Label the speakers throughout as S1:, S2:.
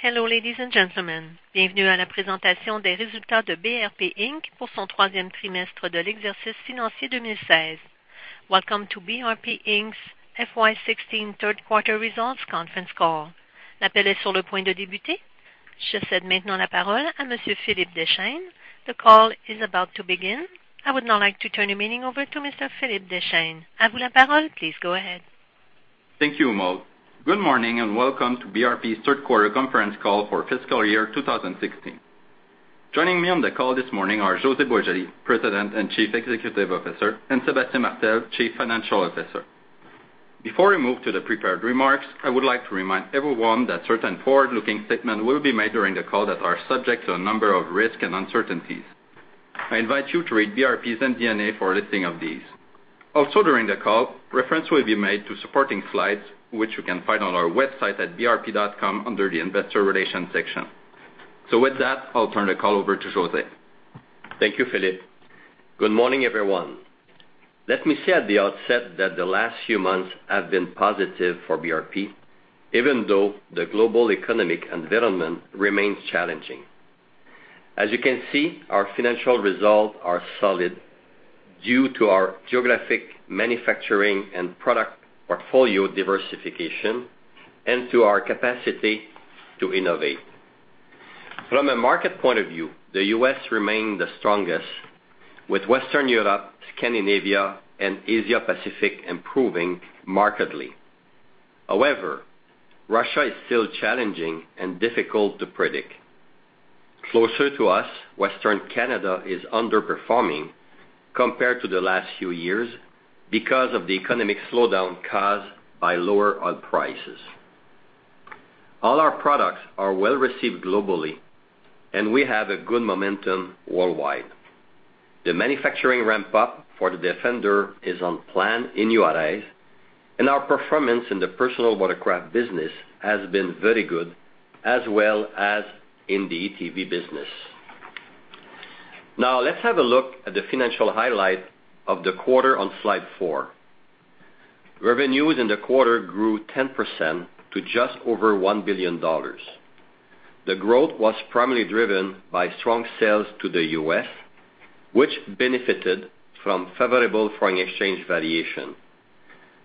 S1: Hello, ladies and gentlemen. Welcome to the BRP Inc.'s FY 2016 third quarter results conference call. The call is about to begin. I would now like to turn the meeting over to Mr. Philippe Deschênes. Please go ahead.
S2: Thank you, Maude. Good morning, and welcome to BRP's third quarter conference call for fiscal year 2016. Joining me on the call this morning are José Boisjoli, President and Chief Executive Officer, and Sébastien Martel, Chief Financial Officer. Before we move to the prepared remarks, I would like to remind everyone that certain forward-looking statements will be made during the call that are subject to a number of risks and uncertainties. I invite you to read BRP's MD&A for a listing of these. During the call, reference will be made to supporting slides, which you can find on our website at brp.com under the investor relations section. With that, I'll turn the call over to José.
S3: Thank you, Philippe. Good morning, everyone. Let me say at the outset that the last few months have been positive for BRP, even though the global economic environment remains challenging. As you can see, our financial results are solid due to our geographic manufacturing and product portfolio diversification and to our capacity to innovate. From a market point of view, the U.S. remained the strongest, with Western Europe, Scandinavia, and Asia Pacific improving markedly. However, Russia is still challenging and difficult to predict. Closer to us, Western Canada is underperforming compared to the last few years because of the economic slowdown caused by lower oil prices. All our products are well-received globally, and we have a good momentum worldwide. The manufacturing ramp-up for the Defender is on plan in Juárez, and our performance in the personal watercraft business has been very good, as well as in the ATV business. Let's have a look at the financial highlight of the quarter on slide four. Revenues in the quarter grew 10% to just over 1 billion dollars. The growth was primarily driven by strong sales to the U.S., which benefited from favorable foreign exchange valuation.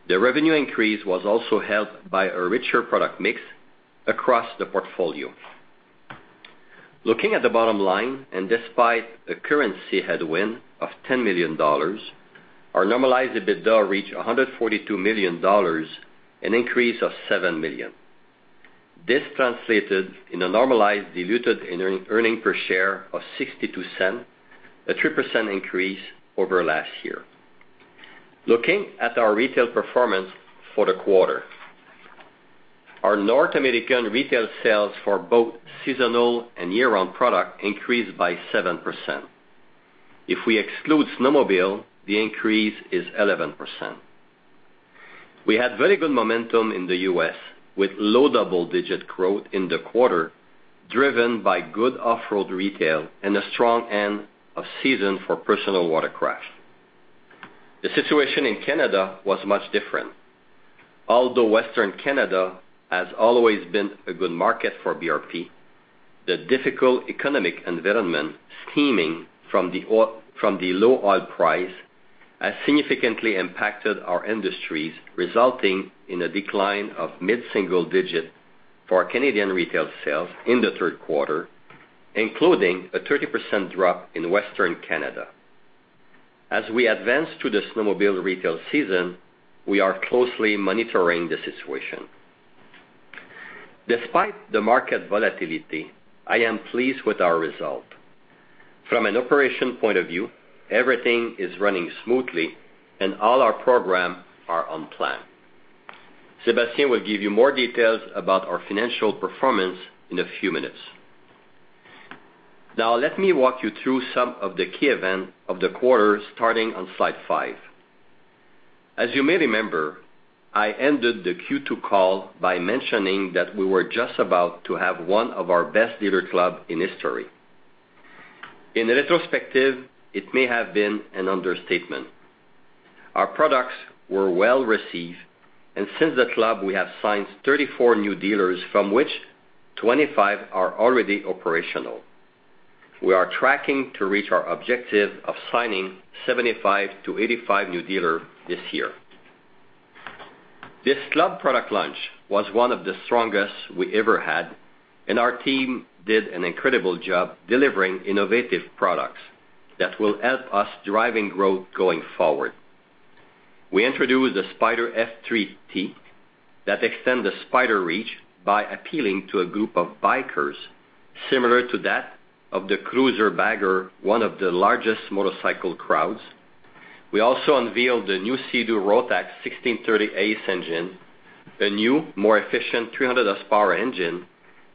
S3: The revenue increase was also helped by a richer product mix across the portfolio. Looking at the bottom line, and despite a currency headwind of 10 million dollars, our normalized EBITDA reached 142 million dollars, an increase of seven million. This translated in a normalized diluted earnings per share of 0.62, a 3% increase over last year. Looking at our retail performance for the quarter. Our North American retail sales for both seasonal and year-round product increased by 7%. If we exclude snowmobile, the increase is 11%. We had very good momentum in the U.S. with low double-digit growth in the quarter, driven by good off-road retail and a strong end of season for personal watercraft. The situation in Canada was much different. Although Western Canada has always been a good market for BRP, the difficult economic environment stemming from the low oil price has significantly impacted our industries, resulting in a decline of mid-single digit for our Canadian retail sales in the third quarter, including a 30% drop in Western Canada. As we advance to the snowmobile retail season, we are closely monitoring the situation. Despite the market volatility, I am pleased with our result. From an operation point of view, everything is running smoothly, and all our program are on plan. Sébastien will give you more details about our financial performance in a few minutes. Let me walk you through some of the key event of the quarter, starting on slide five. As you may remember, I ended the Q2 call by mentioning that we were just about to have one of our best dealer club in history. In retrospect, it may have been an understatement. Our products were well-received, and since the club, we have signed 34 new dealers, from which 25 are already operational. We are tracking to reach our objective of signing 75-85 new dealer this year. This club product launch was one of the strongest we ever had, and our team did an incredible job delivering innovative products that will help us driving growth going forward. We introduced the Spyder F3-T that extend the Spyder reach by appealing to a group of bikers similar to that of the cruiser/bagger, one of the largest motorcycle crowds. We also unveiled the new Sea-Doo Rotax 1630 ACE engine, a new, more efficient 300 horsepower engine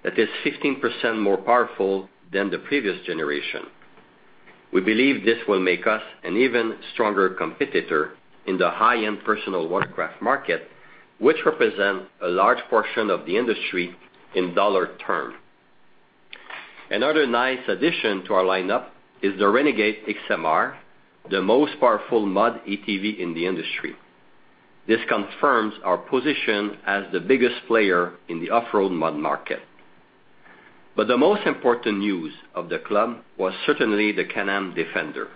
S3: that is 16% more powerful than the previous generation. We believe this will make us an even stronger competitor in the high-end personal watercraft market, which represents a large portion of the industry in dollar term. Another nice addition to our lineup is the Renegade X mr, the most powerful mud ATV in the industry. This confirms our position as the biggest player in the off-road mud market. The most important news of the club was certainly the Can-Am Defender.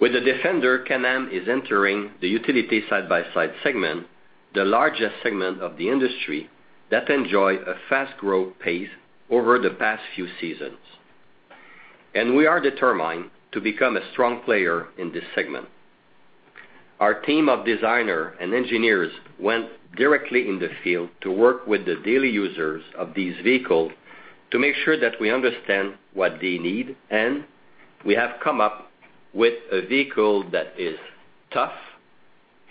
S3: With the Defender, Can-Am is entering the utility side-by-side segment, the largest segment of the industry that enjoyed a fast growth pace over the past few seasons. We are determined to become a strong player in this segment. Our team of designer and engineers went directly in the field to work with the daily users of these vehicle to make sure that we understand what they need, and we have come up with a vehicle that is tough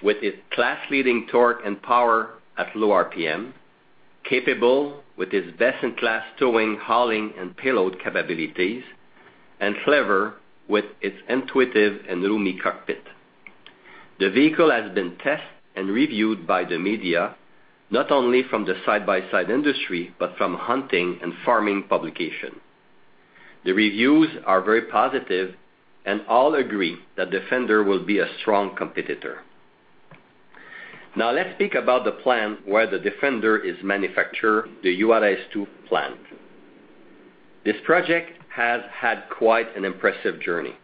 S3: with its class-leading torque and power at low RPM, capable with its best-in-class towing, hauling, and payload capabilities, and clever with its intuitive and roomy cockpit. The vehicle has been tested and reviewed by the media, not only from the side-by-side industry, but from hunting and farming publication. The reviews are very positive and all agree that Defender will be a strong competitor. Let's speak about the plan where the Defender is manufactured, the Juárez 2 plant. This project has had quite an impressive journey.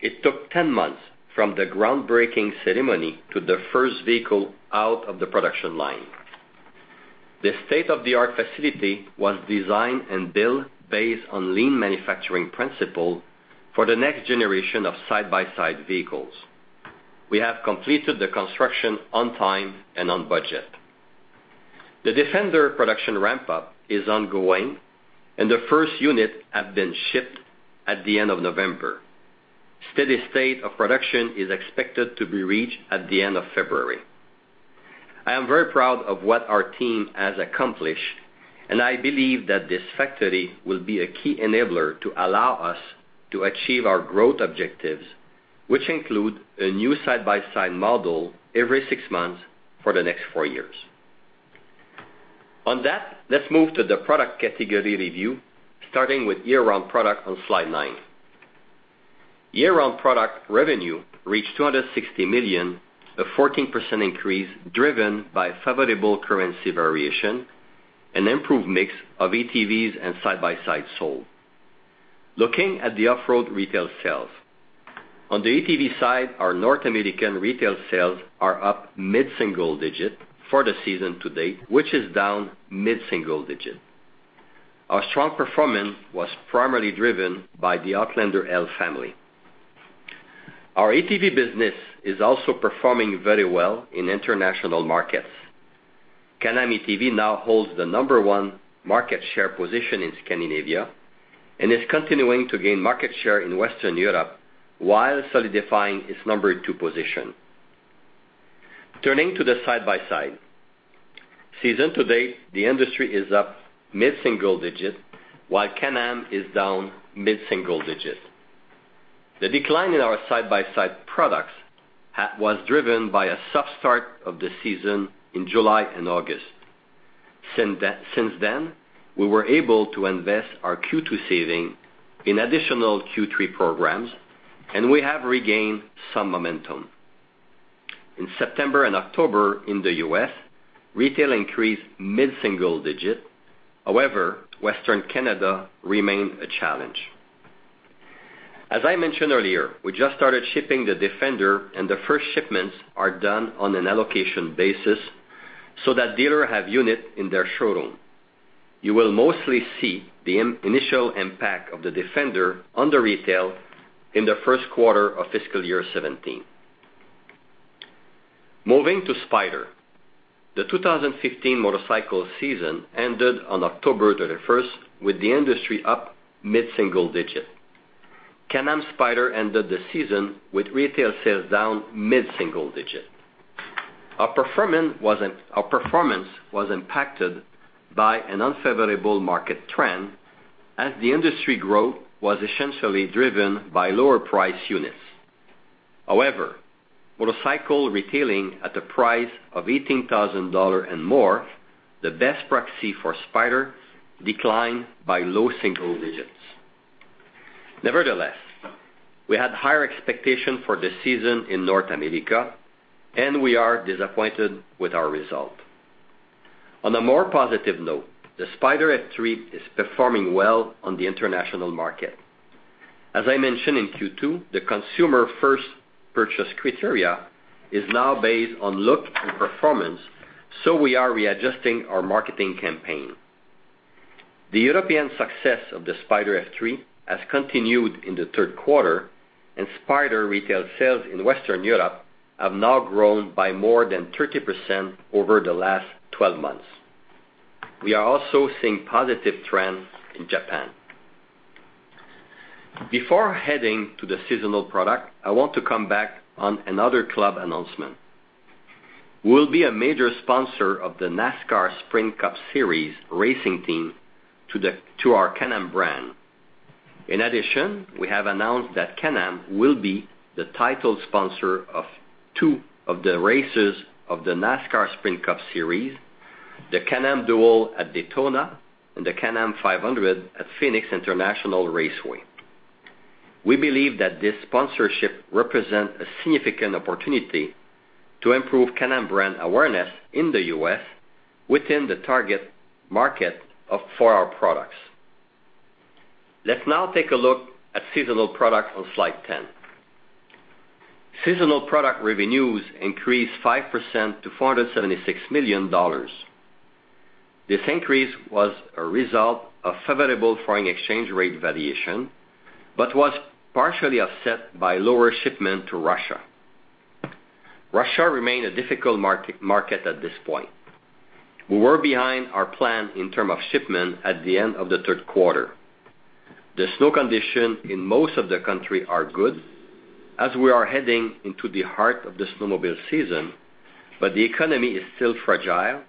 S3: It took 10 months from the groundbreaking ceremony to the first vehicle out of the production line. This state-of-the-art facility was designed and built based on lean manufacturing principle for the next generation of side-by-side vehicles. We have completed the construction on time and on budget. The Defender production ramp-up is ongoing, and the first unit has been shipped at the end of November. Steady state of production is expected to be reached at the end of February. I am very proud of what our team has accomplished, and I believe that this factory will be a key enabler to allow us to achieve our growth objectives, which include a new side-by-side model every six months for the next four years. On that, let's move to the product category review, starting with year-round product on slide nine. Year-round product revenue reached 260 million, a 14% increase driven by favorable currency variation and improved mix of ATVs and side-by-sides sold. Looking at the off-road retail sales. On the ATV side, our North American retail sales are up mid-single digit for the season to date, which is down mid-single digit. Our strong performance was primarily driven by the Outlander L family. Our ATV business is also performing very well in international markets. Can-Am ATV now holds the number 1 market share position in Scandinavia and is continuing to gain market share in Western Europe while solidifying its number 2 position. Turning to the side-by-side. Season to date, the industry is up mid-single digit, while Can-Am is down mid-single digit. The decline in our side-by-side products was driven by a soft start of the season in July and August. Since then, we were able to invest our Q2 saving in additional Q3 programs, and we have regained some momentum. In September and October in the U.S., retail increased mid-single digit. However, Western Canada remained a challenge. As I mentioned earlier, we just started shipping the Defender and the first shipments are done on an allocation basis so that dealer have unit in their showroom. You will mostly see the initial impact of the Defender on the retail in the first quarter of fiscal year 2017. Moving to Spyder. The 2015 motorcycle season ended on October 31st with the industry up mid-single digit. Can-Am Spyder ended the season with retail sales down mid-single digit. Our performance was impacted by an unfavorable market trend as the industry growth was essentially driven by lower priced units. However, motorcycle retailing at a price of 18,000 dollars and more, the best proxy for Spyder, declined by low single digits. Nevertheless, we had higher expectation for the season in North America, and we are disappointed with our result. On a more positive note, the Spyder F3 is performing well on the international market. As I mentioned in Q2, the consumer first purchase criteria is now based on look and performance, so we are readjusting our marketing campaign. The European success of the Spyder F3 has continued in the third quarter, and Spyder retail sales in Western Europe have now grown by more than 30% over the last 12 months. We are also seeing positive trends in Japan. Before heading to the seasonal product, I want to come back on another club announcement. We will be a major sponsor of the NASCAR Sprint Cup Series racing team to our Can-Am brand. In addition, we have announced that Can-Am will be the title sponsor of two of the races of the NASCAR Sprint Cup Series, the Can-Am Duel at Daytona and the Can-Am 500 at Phoenix International Raceway. We believe that this sponsorship represents a significant opportunity to improve Can-Am brand awareness in the U.S. within the target market for our products. Let's now take a look at seasonal products on slide 10. Seasonal product revenues increased 5% to 476 million dollars. This increase was a result of favorable foreign exchange rate variation, but was partially offset by lower shipment to Russia. Russia remained a difficult market at this point. We were behind our plan in term of shipment at the end of the third quarter. The snow condition in most of the country are good as we are heading into the heart of the snowmobile season, but the economy is still fragile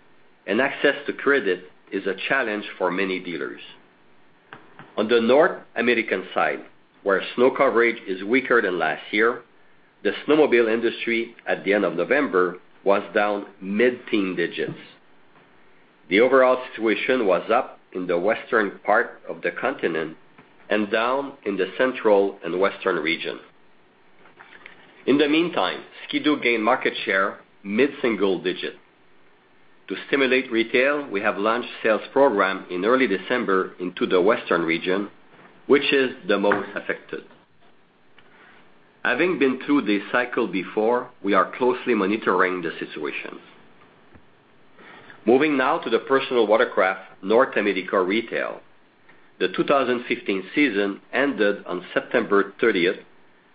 S3: and access to credit is a challenge for many dealers. On the North American side, where snow coverage is weaker than last year, the snowmobile industry at the end of November was down mid-teen digits. The overall situation was up in the western part of the continent and down in the central and western region. In the meantime, Ski-Doo gained market share mid-single digit. To stimulate retail, we have launched sales program in early December into the western region, which is the most affected. Having been through this cycle before, we are closely monitoring the situation. Moving now to the personal watercraft North American retail. The 2015 season ended on September 30th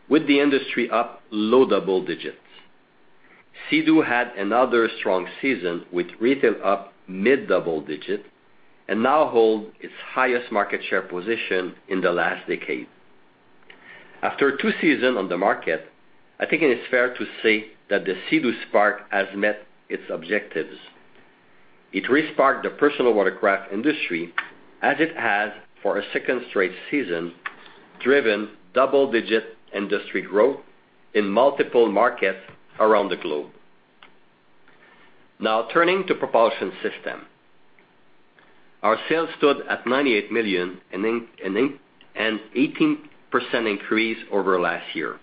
S3: with the industry up low double digits. Sea-Doo had another strong season with retail up mid-double digit and now hold its highest market share position in the last decade. After two season on the market, I think it is fair to say that the Sea-Doo Spark has met its objectives. It resparked the personal watercraft industry as it has for a second straight season, driven double-digit industry growth in multiple markets around the globe. Now turning to propulsion system. Our sales stood at 98 million, an 18% increase over last year.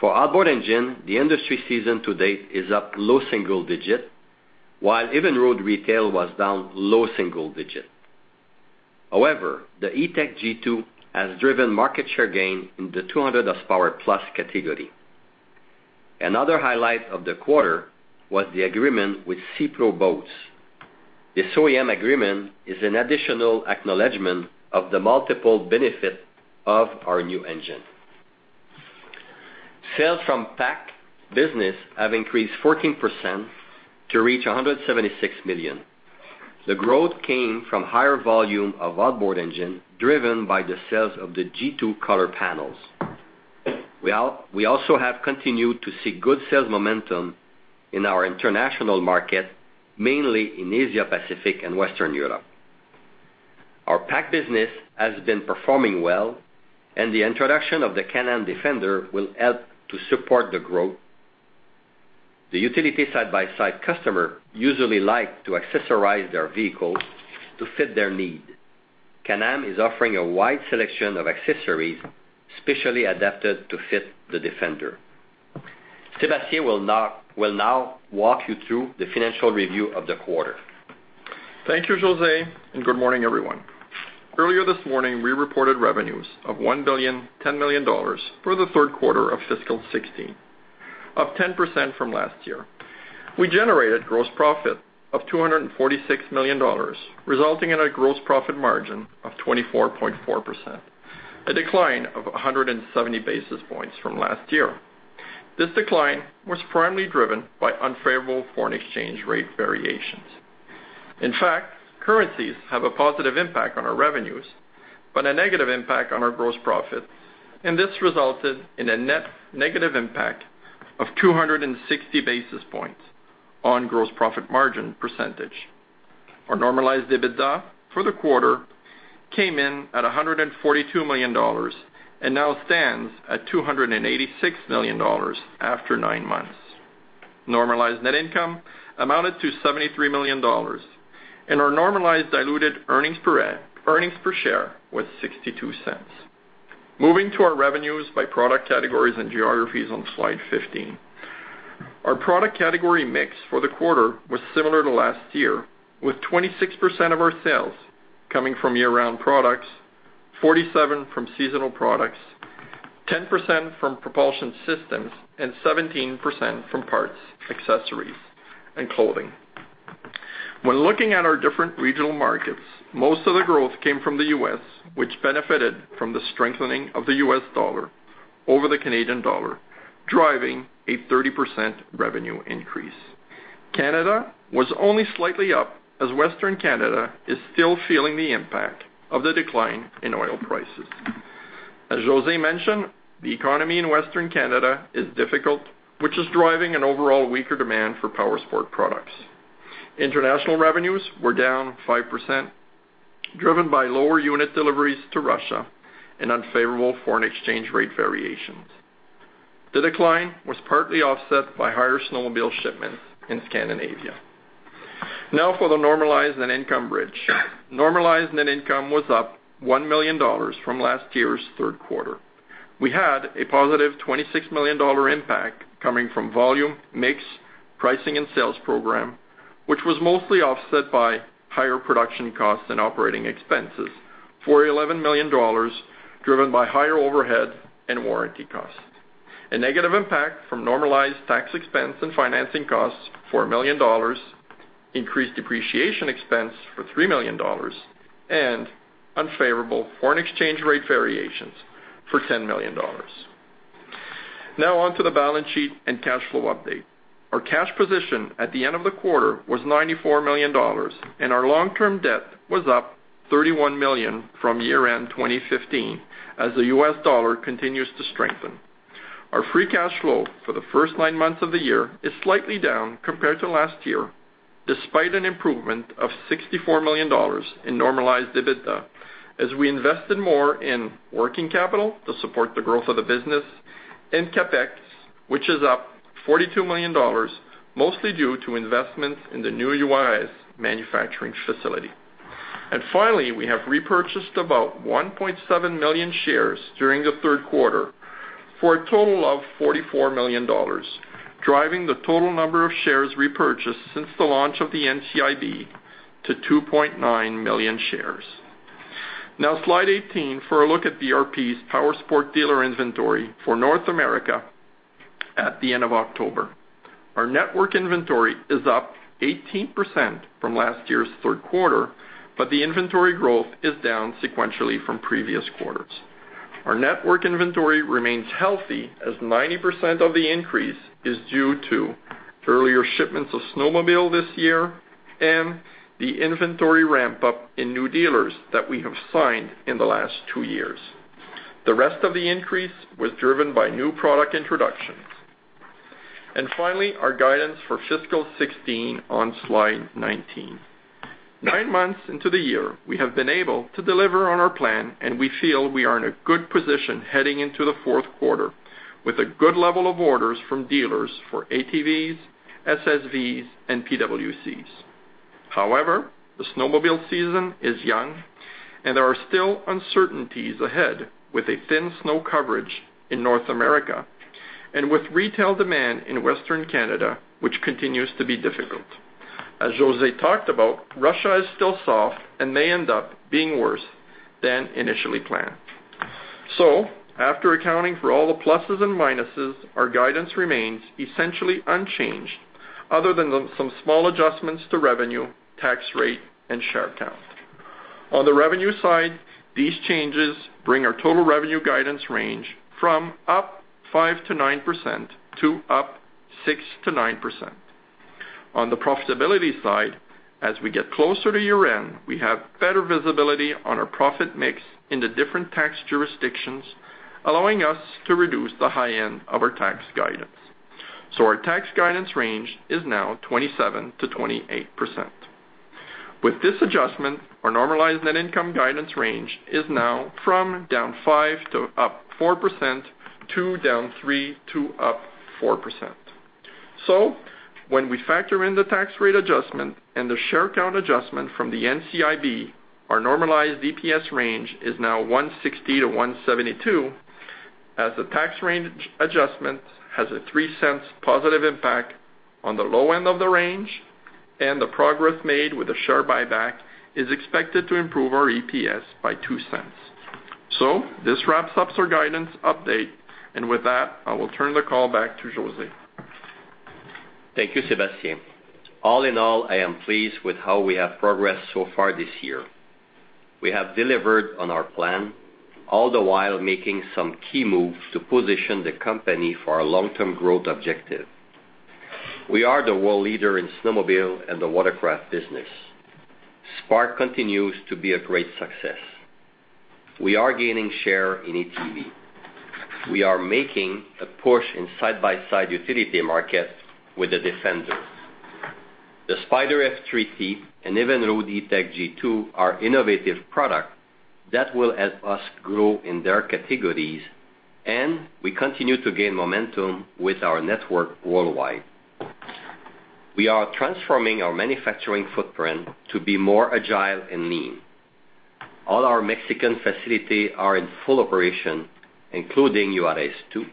S3: For outboard engine, the industry season to date is up low single digit, while Evinrude retail was down low single digit. However, the E-TEC G2 has driven market share gain in the 200 horsepower-plus category. Another highlight of the quarter was the agreement with Sea Pro Boats. This OEM agreement is an additional acknowledgment of the multiple benefit of our new engine. Sales from PAC business have increased 14% to reach 176 million. The growth came from higher volume of outboard engine driven by the sales of the G2 color panels. We also have continued to see good sales momentum in our international market, mainly in Asia-Pacific and Western Europe. Our PAC business has been performing well. The introduction of the Can-Am Defender will help to support the growth. The utility side-by-side customer usually like to accessorize their vehicles to fit their need. Can-Am is offering a wide selection of accessories specially adapted to fit the Defender. Sébastien will now walk you through the financial review of the quarter.
S4: Thank you, José, and good morning, everyone. Earlier this morning, we reported revenues of 1 billion 10 million for the third quarter of fiscal 2016, up 10% from last year. We generated gross profit of 246 million dollars, resulting in a gross profit margin of 24.4%, a decline of 170 basis points from last year. This decline was primarily driven by unfavorable foreign exchange rate variations. Currencies have a positive impact on our revenues, but a negative impact on our gross profit, and this resulted in a net negative impact of 260 basis points on gross profit margin %. Our normalized EBITDA for the quarter came in at 142 million dollars and now stands at 286 million dollars after nine months. Normalized net income amounted to 73 million dollars, and our normalized diluted earnings per share was 0.62. Moving to our revenues by product categories and geographies on slide 15. Our product category mix for the quarter was similar to last year, with 26% of our sales coming from year-round products, 47% from seasonal products, 10% from propulsion systems, and 17% from parts, accessories, and clothing. When looking at our different regional markets, most of the growth came from the U.S., which benefited from the strengthening of the US dollar over the Canadian dollar, driving a 30% revenue increase. Canada was only slightly up, as Western Canada is still feeling the impact of the decline in oil prices. As José mentioned, the economy in Western Canada is difficult, which is driving an overall weaker demand for powersport products. International revenues were down 5%, driven by lower unit deliveries to Russia and unfavorable foreign exchange rate variations. The decline was partly offset by higher snowmobile shipments in Scandinavia. Now for the normalized net income bridge. Normalized net income was up 1 million dollars from last year's third quarter. We had a positive 26 million dollar impact coming from volume, mix, pricing and sales program, which was mostly offset by higher production costs and operating expenses for 11 million dollars, driven by higher overheads and warranty costs. A negative impact from normalized tax expense and financing costs, 4 million dollars, increased depreciation expense for 3 million dollars, and unfavorable foreign exchange rate variations for 10 million dollars. Now on to the balance sheet and cash flow update. Our cash position at the end of the quarter was 94 million dollars, and our long-term debt was up 31 million from year-end 2015, as the US dollar continues to strengthen. Our free cash flow for the first nine months of the year is slightly down compared to last year, despite an improvement of 64 million dollars in normalized EBITDA, as we invested more in working capital to support the growth of the business in CapEx, which is up 42 million dollars, mostly due to investments in the new Juárez manufacturing facility. Finally, we have repurchased about 1.7 million shares during the third quarter for a total of 44 million dollars, driving the total number of shares repurchased since the launch of the NCIB to 2.9 million shares. Now, slide 18 for a look at BRP's Powersport dealer inventory for North America at the end of October. Our network inventory is up 18% from last year's third quarter, the inventory growth is down sequentially from previous quarters. Our network inventory remains healthy as 90% of the increase is due to earlier shipments of snowmobile this year and the inventory ramp-up in new dealers that we have signed in the last two years. The rest of the increase was driven by new product introductions. Finally, our guidance for fiscal 2016 on slide 19. Nine months into the year, we have been able to deliver on our plan, and we feel we are in a good position heading into the fourth quarter with a good level of orders from dealers for ATVs, SSVs, and PWCs. However, the snowmobile season is young, and there are still uncertainties ahead with a thin snow coverage in North America and with retail demand in Western Canada, which continues to be difficult. As José talked about, Russia is still soft and may end up being worse than initially planned. After accounting for all the pluses and minuses, our guidance remains essentially unchanged other than some small adjustments to revenue, tax rate, and share count. On the revenue side, these changes bring our total revenue guidance range from up 5%-9%, to up 6%-9%. On the profitability side, as we get closer to year-end, we have better visibility on our profit mix in the different tax jurisdictions, allowing us to reduce the high end of our tax guidance. Our tax guidance range is now 27%-28%. With this adjustment, our normalized net income guidance range is now from down 5% to up 4%, to down 3% to up 4%. When we factor in the tax rate adjustment and the share count adjustment from the NCIB, our normalized EPS range is now 1.60-1.72, as the tax range adjustment has a 0.03 positive impact on the low end of the range, and the progress made with the share buyback is expected to improve our EPS by 0.02. This wraps up our guidance update. With that, I will turn the call back to José.
S3: Thank you, Sébastien. All in all, I am pleased with how we have progressed so far this year. We have delivered on our plan, all the while making some key moves to position the company for our long-term growth objective. We are the world leader in snowmobile and the watercraft business. Spark continues to be a great success. We are gaining share in ATV. We are making a push in side-by-side utility market with the Defenders. The Spyder F3-S and Evinrude E-TEC G2 are innovative product that will help us grow in their categories, and we continue to gain momentum with our network worldwide. We are transforming our manufacturing footprint to be more agile and lean. All our Mexican facility are in full operation, including Juárez 2.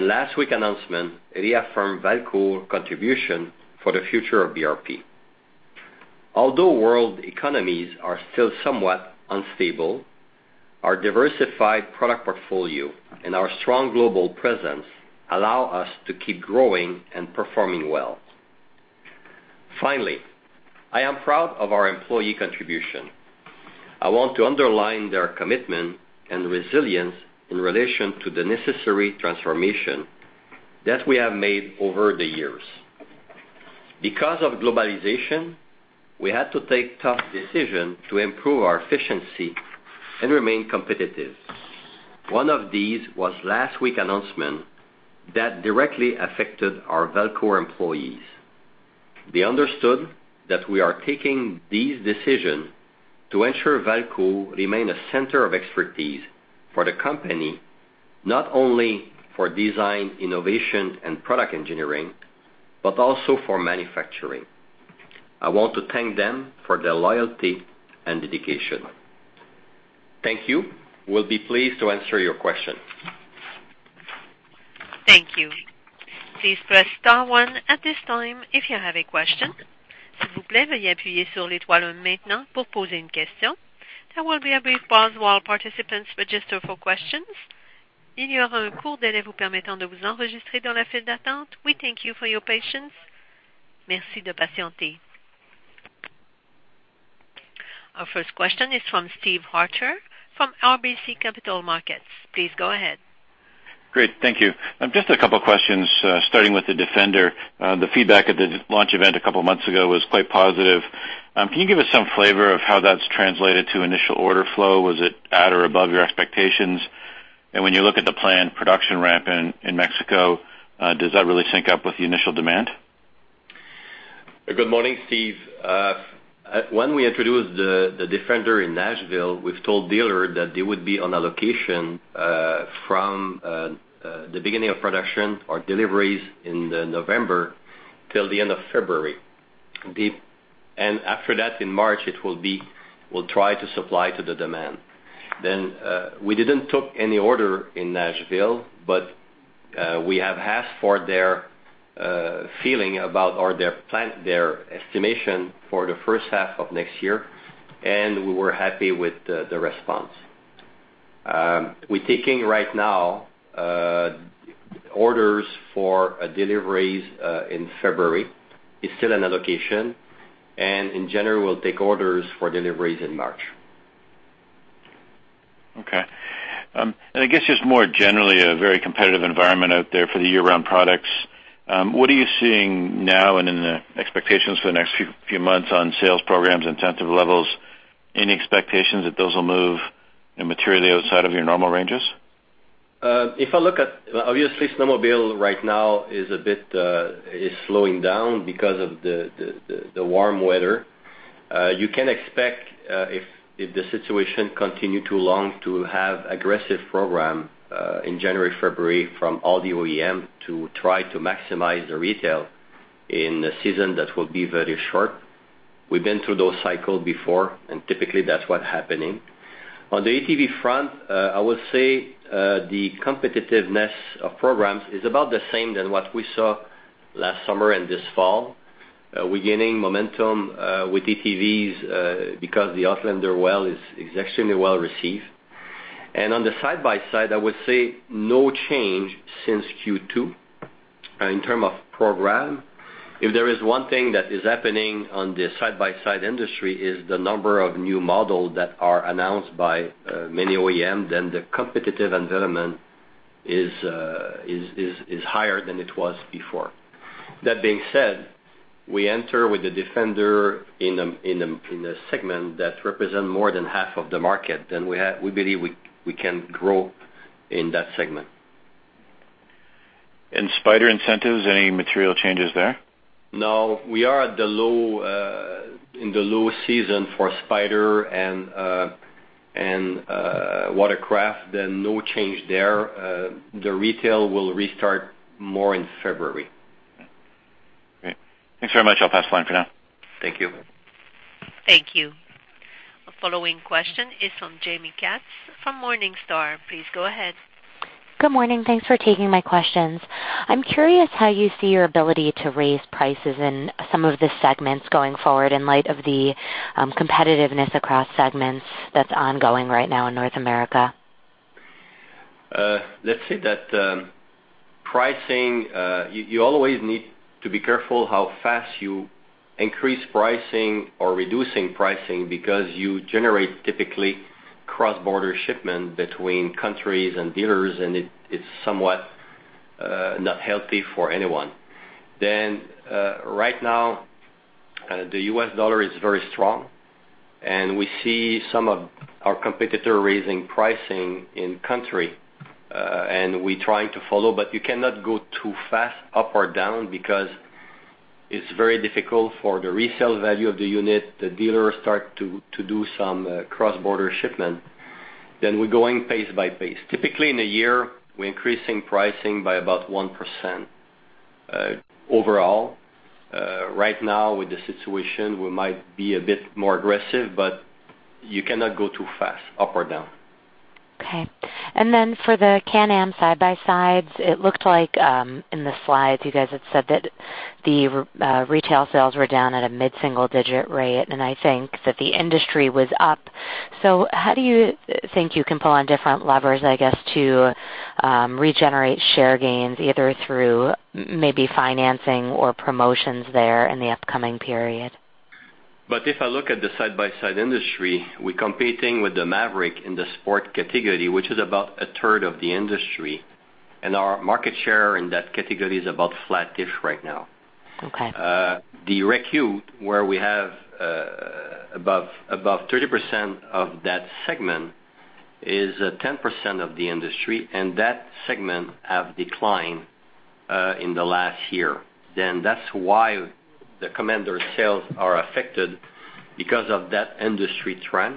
S3: Last week announcement reaffirmed Valcourt contribution for the future of BRP. Although world economies are still somewhat unstable, our diversified product portfolio and our strong global presence allow us to keep growing and performing well. Finally, I am proud of our employee contribution. I want to underline their commitment and resilience in relation to the necessary transformation that we have made over the years Because of globalization, we had to take tough decisions to improve our efficiency and remain competitive. One of these was last week's announcement that directly affected our Valcourt employees. They understood that we are taking these decisions to ensure Valcourt remains a center of expertise for the company, not only for design, innovation, and product engineering, but also for manufacturing. I want to thank them for their loyalty and dedication. Thank you. We'll be pleased to answer your questions.
S1: Thank you. Please press star one at this time if you have a question. There will be a brief pause while participants register for questions. We thank you for your patience. Our first question is from Steve Archer from RBC Capital Markets. Please go ahead.
S5: Great. Thank you. Just a couple questions, starting with the Defender. The feedback at the launch event a couple months ago was quite positive. Can you give us some flavor of how that's translated to initial order flow? Was it at or above your expectations? When you look at the planned production ramp in Mexico, does that really sync up with the initial demand?
S3: Good morning, Steve. When we introduced the Defender in Nashville, we told dealers that they would be on allocation from the beginning of production or deliveries in November till the end of February. After that, in March, we'll try to supply to the demand. We didn't take any orders in Nashville, but we have asked for their feeling about, or their plan, their estimation for the first half of next year, and we were happy with the response. We're taking, right now, orders for deliveries in February. It's still an allocation. In January, we'll take orders for deliveries in March.
S5: Okay. I guess, just more generally, a very competitive environment out there for the year-round products. What are you seeing now and in the expectations for the next few months on sales programs, incentive levels? Any expectations that those will move materially outside of your normal ranges?
S3: If I look, obviously, snowmobile right now is slowing down because of the warm weather. You can expect, if the situation continues too long, to have aggressive programs in January, February from all the OEMs to try to maximize the retail in a season that will be very short. We've been through those cycles before, and typically that's what's happening. On the ATV front, I would say the competitiveness of programs is about the same than what we saw last summer and this fall. We're gaining momentum with ATVs because the Outlander L is extremely well received. On the side-by-side, I would say no change since Q2 in terms of program. If there is one thing that is happening on the side-by-side industry, it is the number of new models that are announced by many OEMs, the competitive environment is higher than it was before. That being said, we enter with the Defender in a segment that represents more than half of the market, and we believe we can grow in that segment.
S5: Spyder incentives, any material changes there?
S3: No. We are in the low season for Spyder and watercraft. No change there. The retail will restart more in February.
S5: Great. Thanks very much. I'll pass the line for now.
S3: Thank you.
S1: Thank you. The following question is from Jaime Katz from Morningstar. Please go ahead.
S6: Good morning. Thanks for taking my questions. I am curious how you see your ability to raise prices in some of the segments going forward in light of the competitiveness across segments that is ongoing right now in North America.
S3: Let us say that pricing, you always need to be careful how fast you increase pricing or reducing pricing because you generate typically cross-border shipment between countries and dealers, and it is somewhat not healthy for anyone. Right now, the US dollar is very strong, and we see some of our competitors raising pricing in country, and we are trying to follow, but you cannot go too fast up or down because it is very difficult for the resale value of the unit. The dealers start to do some cross-border shipment. We are going pace by pace. Typically, in a year, we are increasing pricing by about 1% overall. Right now, with the situation, we might be a bit more aggressive, but you cannot go too fast up or down.
S6: Okay. For the Can-Am side-by-sides, it looked like in the slides you guys had said that the retail sales were down at a mid-single digit rate, and I think that the industry was up. How do you think you can pull on different levers, I guess, to regenerate share gains, either through maybe financing or promotions there in the upcoming period?
S3: If I look at the side-by-side industry, we are competing with the Maverick in the sport category, which is about a third of the industry. Our market share in that category is about flat-ish right now.
S6: Okay.
S3: The Rec-Utility, where we have above 30% of that segment, is 10% of the industry, and that segment have declined in the last year. That's why the Commander sales are affected because of that industry trend.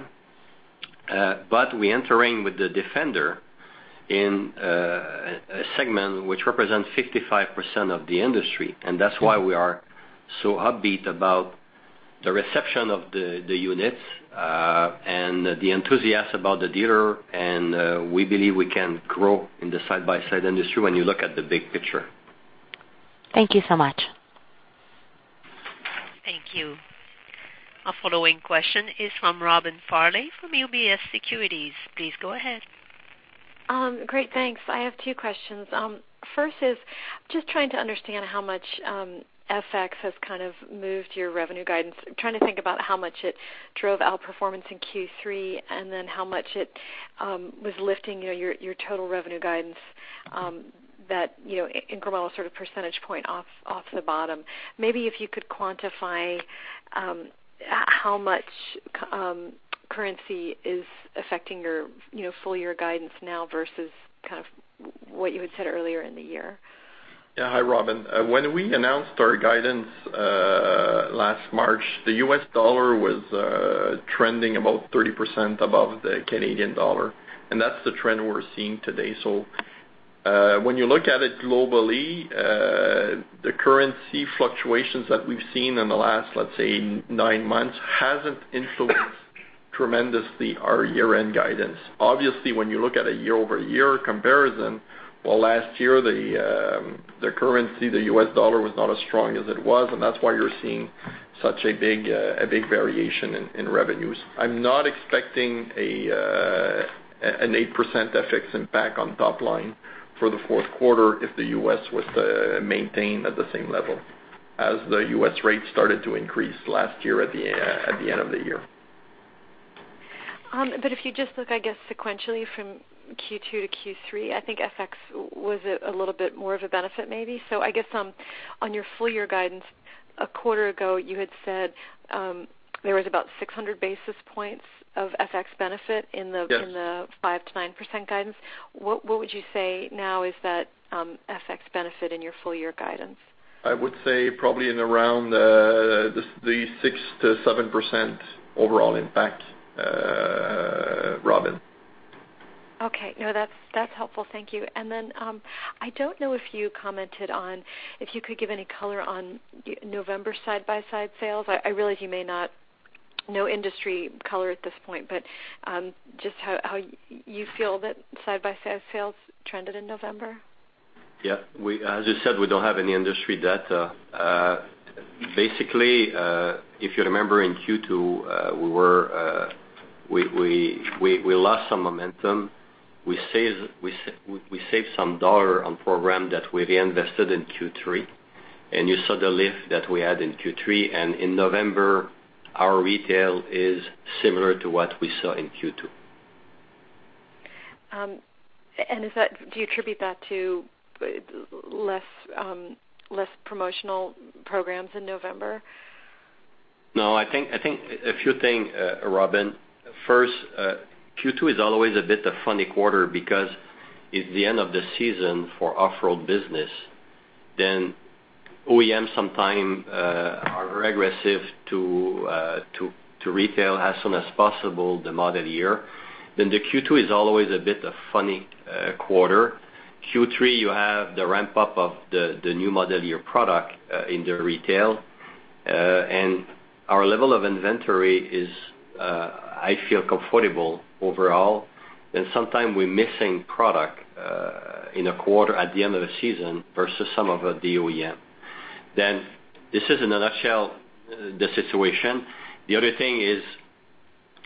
S3: We entering with the Defender in a segment which represents 55% of the industry, and that's why we are so upbeat about the reception of the units and the enthusiasm about the dealer, and we believe we can grow in the side-by-side industry when you look at the big picture.
S6: Thank you so much.
S1: Thank you. Our following question is from Robin Farley from UBS Securities. Please go ahead.
S7: Great, thanks. I have two questions. First is just trying to understand how much FX has kind of moved your revenue guidance. Trying to think about how much it drove outperformance in Q3, and then how much it was lifting your total revenue guidance that in overall sort of percentage point off the bottom. Maybe if you could quantify how much currency is affecting your full-year guidance now versus what you had said earlier in the year.
S4: Hi, Robin. When we announced our guidance last March, the U.S. dollar was trending about 30% above the Canadian dollar, and that's the trend we're seeing today. When you look at it globally, the currency fluctuations that we've seen in the last, let's say, nine months hasn't influenced tremendously our year-end guidance. Obviously, when you look at a year-over-year comparison, well, last year, the currency, the U.S. dollar was not as strong as it was, and that's why you're seeing such a big variation in revenues. I'm not expecting an 8% FX impact on top line for the fourth quarter if the U.S. was to maintain at the same level as the U.S. rates started to increase last year at the end of the year.
S7: If you just look, I guess, sequentially from Q2 to Q3, I think FX was a little bit more of a benefit maybe. I guess on your full-year guidance, a quarter ago, you had said there was about 600 basis points of FX benefit in the
S4: Yes
S7: in the 5%-9% guidance. What would you say now is that FX benefit in your full-year guidance?
S4: I would say probably in around the 6%-7% overall impact, Robin.
S7: No, that's helpful. Thank you. Then, I don't know if you commented on, if you could give any color on November side-by-side sales. I realize you may not know industry color at this point, but just how you feel that side-by-side sales trended in November?
S3: Yeah. As you said, we don't have any industry data. Basically, if you remember in Q2, we lost some momentum. We saved some dollar on program that we reinvested in Q3, you saw the lift that we had in Q3. In November, our retail is similar to what we saw in Q2.
S7: Do you attribute that to less promotional programs in November?
S3: No. A few thing, Robin. First, Q2 is always a bit a funny quarter because it's the end of the season for off-road business. OEM sometime are aggressive to retail as soon as possible the model year. The Q2 is always a bit a funny quarter. Q3, you have the ramp-up of the new model year product in the retail. Our level of inventory is I feel comfortable overall. Sometime we're missing product in a quarter at the end of a season versus some of the OEM. This is in a nutshell the situation. The other thing is,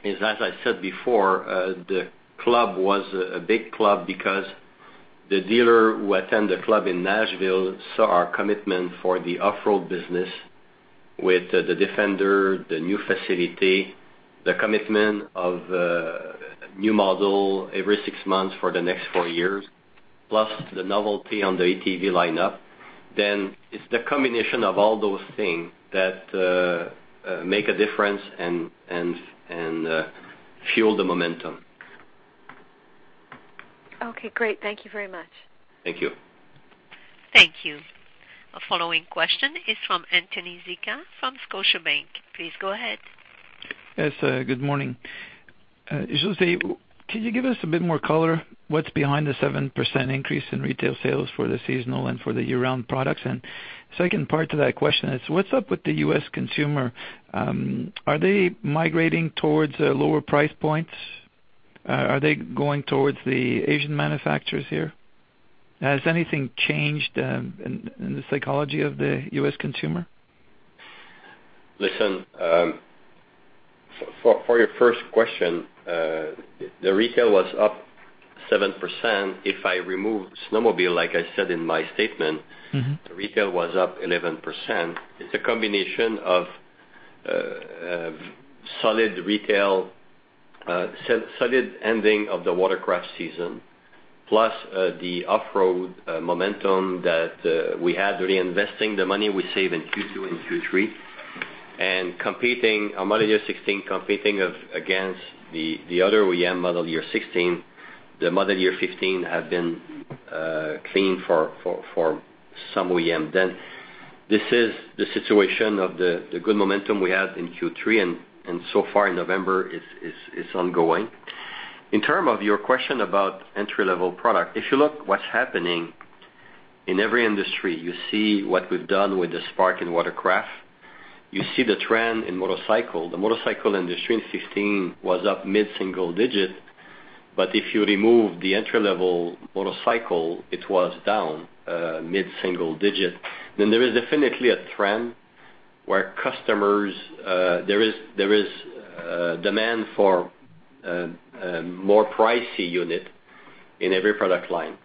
S3: as I said before, the club was a big club because the dealer who attend the club in Nashville saw our commitment for the off-road business with the Defender, the new facility, the commitment of new model every six months for the next four years, plus the novelty on the ATV lineup. It's the combination of all those thing that make a difference and fuel the momentum.
S7: Okay, great. Thank you very much.
S3: Thank you.
S1: Thank you. Our following question is from Anthony Zicha from Scotiabank. Please go ahead.
S8: Yes, good morning. José, could you give us a bit more color what's behind the 7% increase in retail sales for the seasonal and for the year-round products? Second part to that question is what's up with the U.S. consumer? Are they migrating towards lower price points? Are they going towards the Asian manufacturers here? Has anything changed in the psychology of the U.S. consumer?
S3: For your first question, the retail was up 7%. If I remove snowmobile, like I said in my statement. The retail was up 11%. It's a combination of solid retail, solid ending of the watercraft season, plus the off-road momentum that we had reinvesting the money we save in Q2 and Q3, and model year 2016 competing against the other OEM model year 2016. The model year 2015 had been clean for some OEM then. This is the situation of the good momentum we had in Q3, and so far in November it's ongoing. In terms of your question about entry-level product, if you look what's happening in every industry, you see what we've done with the Spark in Watercraft. You see the trend in motorcycle. The motorcycle industry in 2016 was up mid-single digit, but if you remove the entry-level motorcycle, it was down mid-single digit. There is definitely a trend where there is demand for more pricey unit in every product line.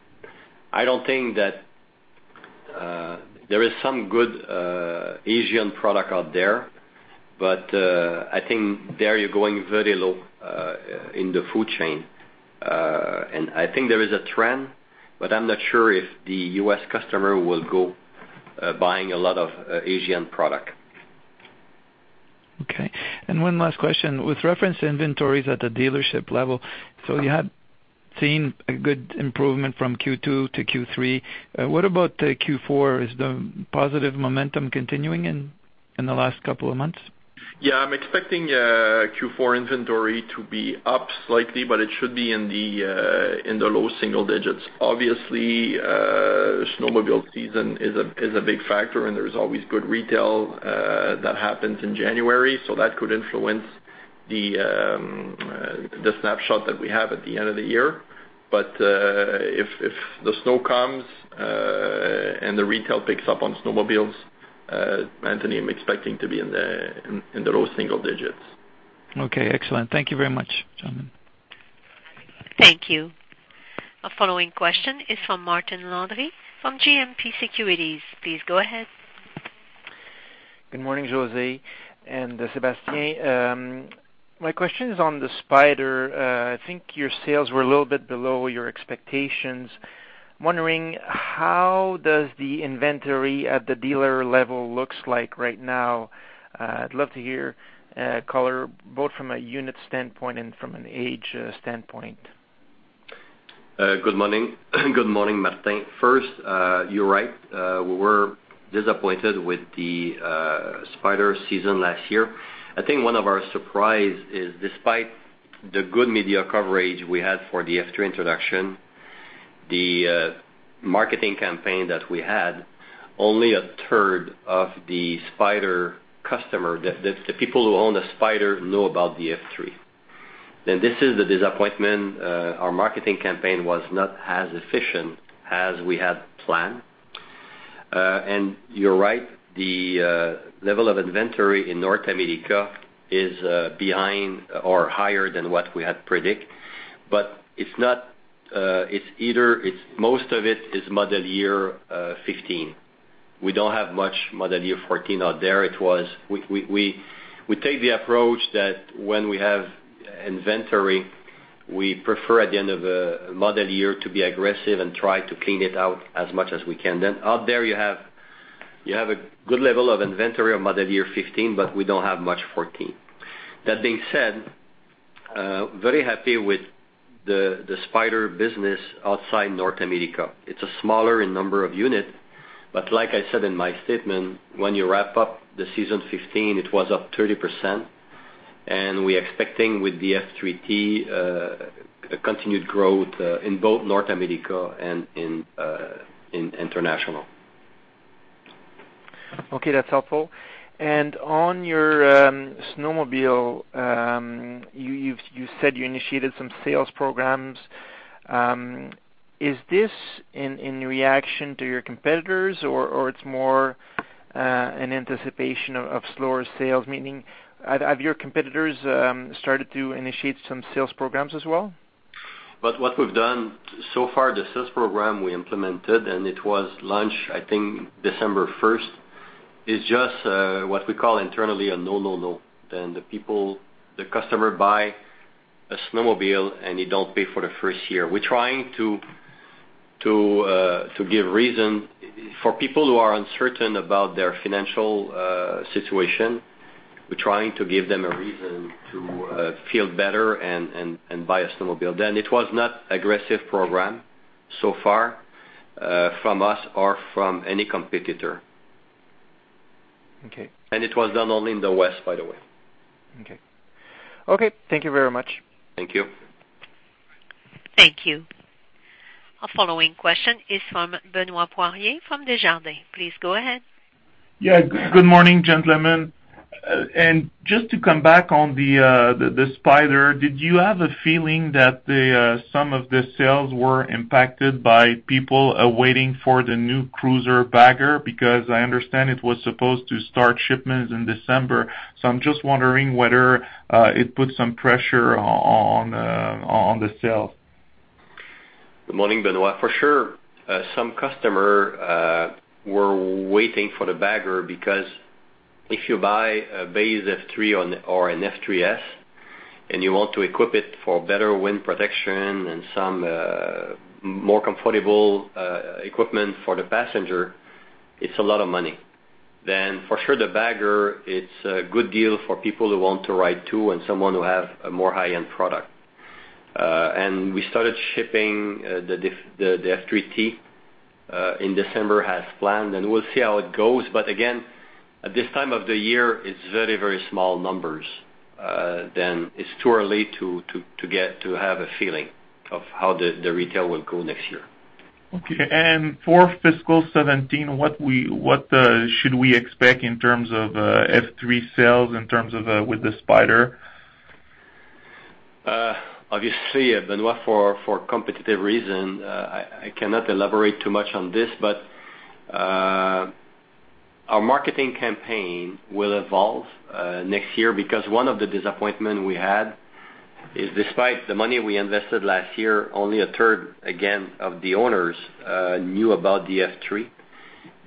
S3: There is some good Asian product out there, but I think there you're going very low in the food chain. I think there is a trend, but I'm not sure if the U.S. customer will go buying a lot of Asian product.
S8: Okay. One last question. With reference to inventories at the dealership level, you had seen a good improvement from Q2 to Q3. What about Q4? Is the positive momentum continuing in the last couple of months?
S3: Yeah, I'm expecting Q4 inventory to be up slightly, but it should be in the low single digits. Obviously, snowmobile season is a big factor, and there's always good retail that happens in January, so that could influence the snapshot that we have at the end of the year. If the snow comes and the retail picks up on snowmobiles, Anthony, I'm expecting to be in the low single digits.
S8: Okay, excellent. Thank you very much, gentlemen.
S1: Thank you. Our following question is from Martin Landry from GMP Securities. Please go ahead.
S9: Good morning, José and Sébastien. My question is on the Spyder. I think your sales were a little bit below your expectations. Wondering how does the inventory at the dealer level looks like right now? I'd love to hear color, both from a unit standpoint and from an age standpoint.
S3: Good morning. Good morning, Martin. You're right. We were disappointed with the Spyder season last year. I think one of our surprise is despite the good media coverage we had for the F3 introduction, the marketing campaign that we had, only a third of the Spyder customer, the people who own a Spyder, know about the F3. This is the disappointment. Our marketing campaign was not as efficient as we had planned. You're right, the level of inventory in North America is behind or higher than what we had predict. Most of it is model year 2015. We don't have much model year 2014 out there. We take the approach that when we have inventory, we prefer at the end of a model year to be aggressive and try to clean it out as much as we can. Out there you have a good level of inventory of model year 2015, but we don't have much 2014. That being said, very happy with the Spyder business outside North America. It's smaller in number of units, but like I said in my statement, when you wrap up the season 2015, it was up 30%, and we expecting with the F3T a continued growth in both North America and in international.
S9: Okay, that's helpful. On your snowmobile, you said you initiated some sales programs. Is this in reaction to your competitors, or it's more an anticipation of slower sales, meaning have your competitors started to initiate some sales programs as well?
S3: What we've done so far, the sales program we implemented, it was launched, I think, December 1st, is just what we call internally a no, no. The customer buy a snowmobile, you don't pay for the first year. We're trying to give reason for people who are uncertain about their financial situation. We're trying to give them a reason to feel better and buy a snowmobile. It was not aggressive program so far from us or from any competitor.
S9: Okay.
S3: It was done only in the West, by the way.
S9: Okay. Thank you very much.
S3: Thank you.
S1: Thank you. Our following question is from Benoit Poirier from Desjardins. Please go ahead.
S10: Yeah. Good morning, gentlemen. Just to come back on the Spyder, did you have a feeling that some of the sales were impacted by people waiting for the new cruiser bagger? I understand it was supposed to start shipments in December, I'm just wondering whether it put some pressure on the sales.
S3: Good morning, Benoit. For sure, some customer were waiting for the Bagger because if you buy a base F3 or an F3S and you want to equip it for better wind protection and some more comfortable equipment for the passenger, it's a lot of money. For sure, the Bagger, it's a good deal for people who want to ride too, someone who have a more high-end product. We started shipping the F3T in December as planned, we'll see how it goes. Again, at this time of the year, it's very, very small numbers. It's too early to have a feeling of how the retail will go next year.
S10: Okay. For FY 2017, what should we expect in terms of F3 sales, in terms of with the Spyder?
S3: Obviously, Benoit, for competitive reason, I cannot elaborate too much on this, but our marketing campaign will evolve next year because one of the disappointment we had is despite the money we invested last year, only a third, again, of the owners knew about the F3.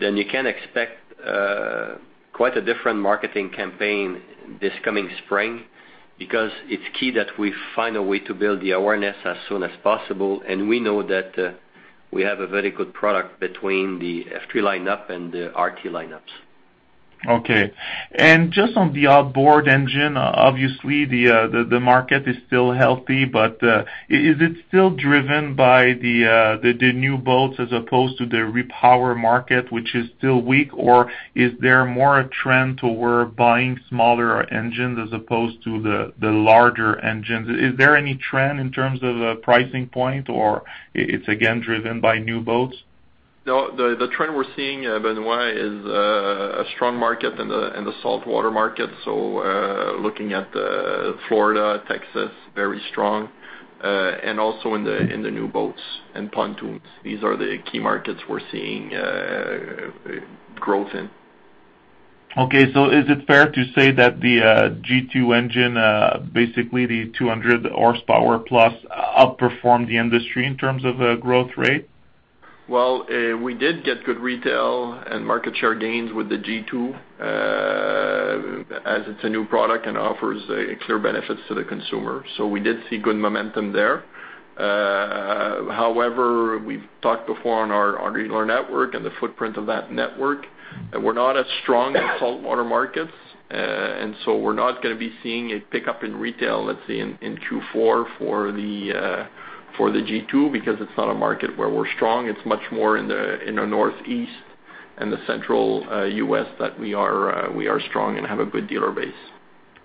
S3: You can expect quite a different marketing campaign this coming spring, because it's key that we find a way to build the awareness as soon as possible, and we know that we have a very good product between the F3 lineup and the RT lineups.
S10: Okay. Just on the outboard engine, obviously, the market is still healthy, is it still driven by the new boats as opposed to the repower market, which is still weak, is there more a trend toward buying smaller engines as opposed to the larger engines? Is there any trend in terms of pricing point, it's again driven by new boats?
S3: No, the trend we're seeing, Benoit, is a strong market in the saltwater market. Looking at Florida, Texas, very strong, also in the new boats and pontoons. These are the key markets we're seeing growth in.
S10: Okay. Is it fair to say that the G2 engine, basically the 200 horsepower plus, outperformed the industry in terms of growth rate?
S3: Well, we did get good retail and market share gains with the G2, as it's a new product and offers clear benefits to the consumer. We did see good momentum there. However, we've talked before on our dealer network and the footprint of that network, that we're not as strong in saltwater markets, we're not going to be seeing a pickup in retail, let's say, in Q4 for the G2, because it's not a market where we're strong. It's much more in the Northeast and the central U.S. that we are strong and have a good dealer base.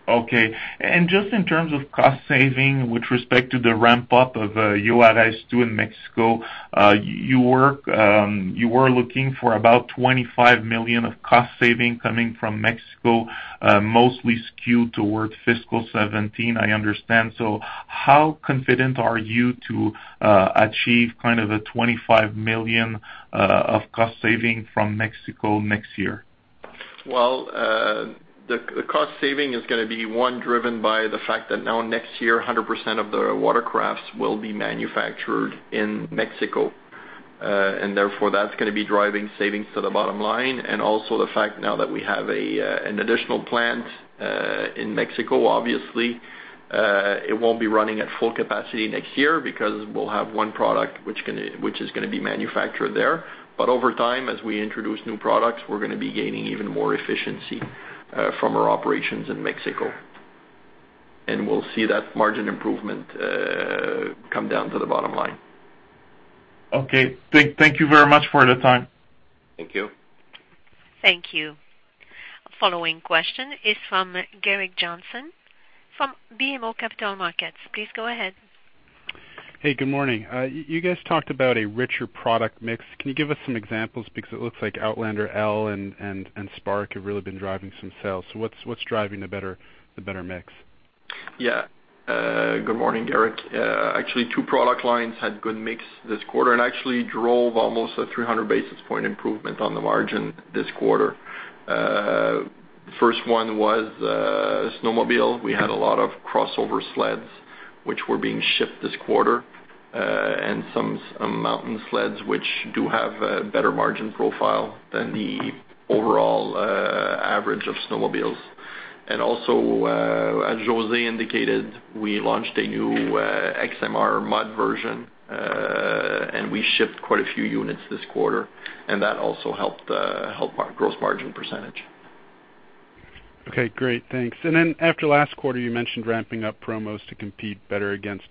S10: Okay. In terms of cost saving, with respect to the ramp-up of Juárez 2, in Mexico, you were looking for about 25 million of cost saving coming from Mexico, mostly skewed towards fiscal 2017, I understand. How confident are you to achieve kind of a 25 million of cost saving from Mexico next year?
S3: Well, the cost saving is going to be, one, driven by the fact that now next year, 100% of the watercrafts will be manufactured in Mexico. Therefore, that's going to be driving savings to the bottom line. Also the fact now that we have an additional plant in Mexico, obviously, it won't be running at full capacity next year because we'll have one product which is going to be manufactured there. Over time, as we introduce new products, we're going to be gaining even more efficiency from our operations in Mexico. We'll see that margin improvement come down to the bottom line.
S10: Okay. Thank you very much for the time.
S3: Thank you.
S1: Thank you. Following question is from Gerrick Johnson from BMO Capital Markets. Please go ahead.
S11: Hey, good morning. You guys talked about a richer product mix. Can you give us some examples? Because it looks like Outlander L and Spark have really been driving some sales. What's driving the better mix?
S4: Yeah. Good morning, Gerrick. Actually, two product lines had good mix this quarter and actually drove almost a 300 basis point improvement on the margin this quarter. First one was snowmobile. We had a lot of crossover sleds, which were being shipped this quarter, and some mountain sleds, which do have a better margin profile than the overall average of snowmobiles. Also, as José indicated, we launched a new XMR mud version, and we shipped quite a few units this quarter, and that also helped our gross margin percentage.
S11: Okay, great. Thanks. After last quarter, you mentioned ramping up promos to compete better against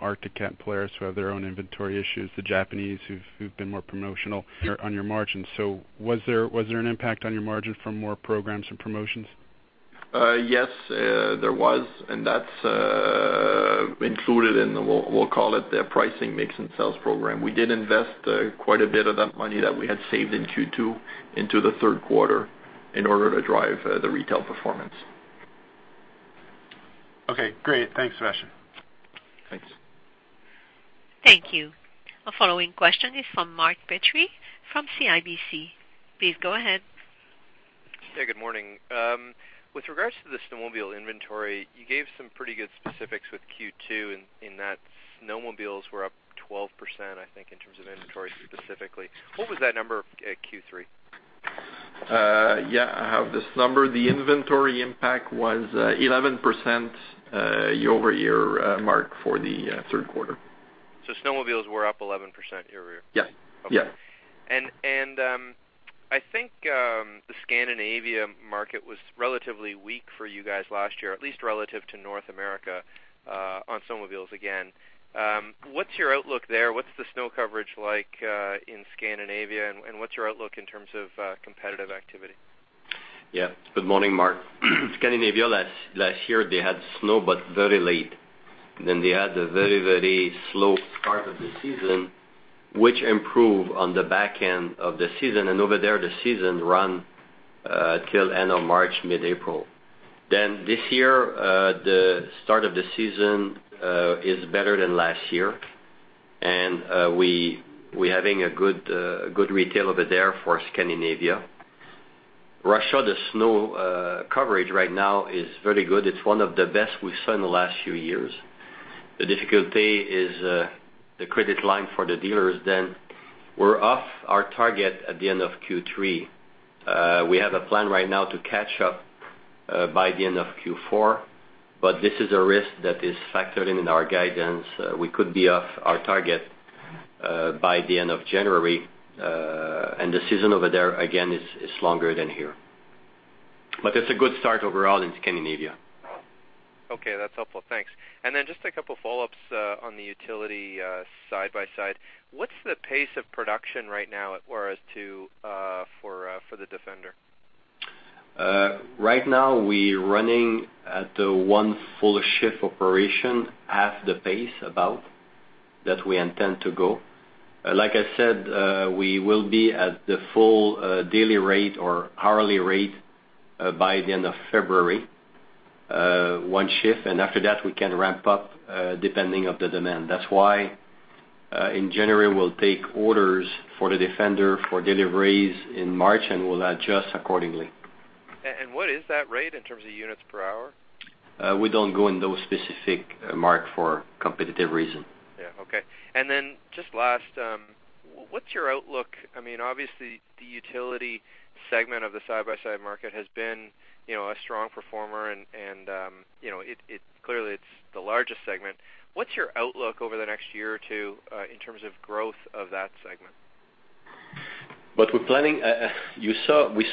S11: Arctic Cat who have their own inventory issues, the Japanese who've been more promotional on your margins. Was there an impact on your margin from more programs and promotions?
S4: Yes, there was, that's included in, we'll call it, the pricing mix and sales program. We did invest quite a bit of that money that we had saved in Q2 into the third quarter in order to drive the retail performance.
S11: Okay, great. Thanks, Sébastien.
S4: Thanks.
S1: Thank you. Our following question is from Mark Petrie from CIBC. Please go ahead.
S12: Good morning. With regards to the snowmobile inventory, you gave some pretty good specifics with Q2 in that snowmobiles were up 12%, I think, in terms of inventory specifically. What was that number at Q3?
S4: Yeah, I have this number. The inventory impact was 11% year-over-year, Mark, for the third quarter.
S12: Snowmobiles were up 11% year-over-year.
S4: Yeah.
S12: Okay. I think the Scandinavia market was relatively weak for you guys last year, at least relative to North America on snowmobiles again. What's your outlook there? What's the snow coverage like in Scandinavia, and what's your outlook in terms of competitive activity?
S3: Good morning, Mark. Scandinavia, last year, they had snow, but very late. They had a very slow start of the season, which improved on the back end of the season. Over there, the season run till end of March, mid-April. This year, the start of the season is better than last year. We having a good retail over there for Scandinavia. Russia, the snow coverage right now is very good. It's one of the best we've seen in the last few years. The difficulty is the credit line for the dealers. We're off our target at the end of Q3. We have a plan right now to catch up by the end of Q4, but this is a risk that is factored in our guidance. We could be off our target by the end of January. The season over there, again, is longer than here. It's a good start overall in Scandinavia.
S12: Okay, that's helpful. Thanks. Just a couple of follow-ups on the utility side-by-side. What's the pace of production right now as far as for the Defender?
S3: Right now, we running at the one full shift operation, half the pace about that we intend to go. Like I said, we will be at the full daily rate or hourly rate by the end of February, one shift. After that, we can ramp up, depending of the demand. That's why in January, we'll take orders for the Defender for deliveries in March, and we'll adjust accordingly.
S12: What is that rate in terms of units per hour?
S3: We don't go in those specifics, Mark, for competitive reasons.
S12: Yeah. Okay. Just last, what's your outlook? Obviously, the utility segment of the side-by-side market has been a strong performer, and clearly, it's the largest segment. What's your outlook over the next year or two in terms of growth of that segment?
S3: We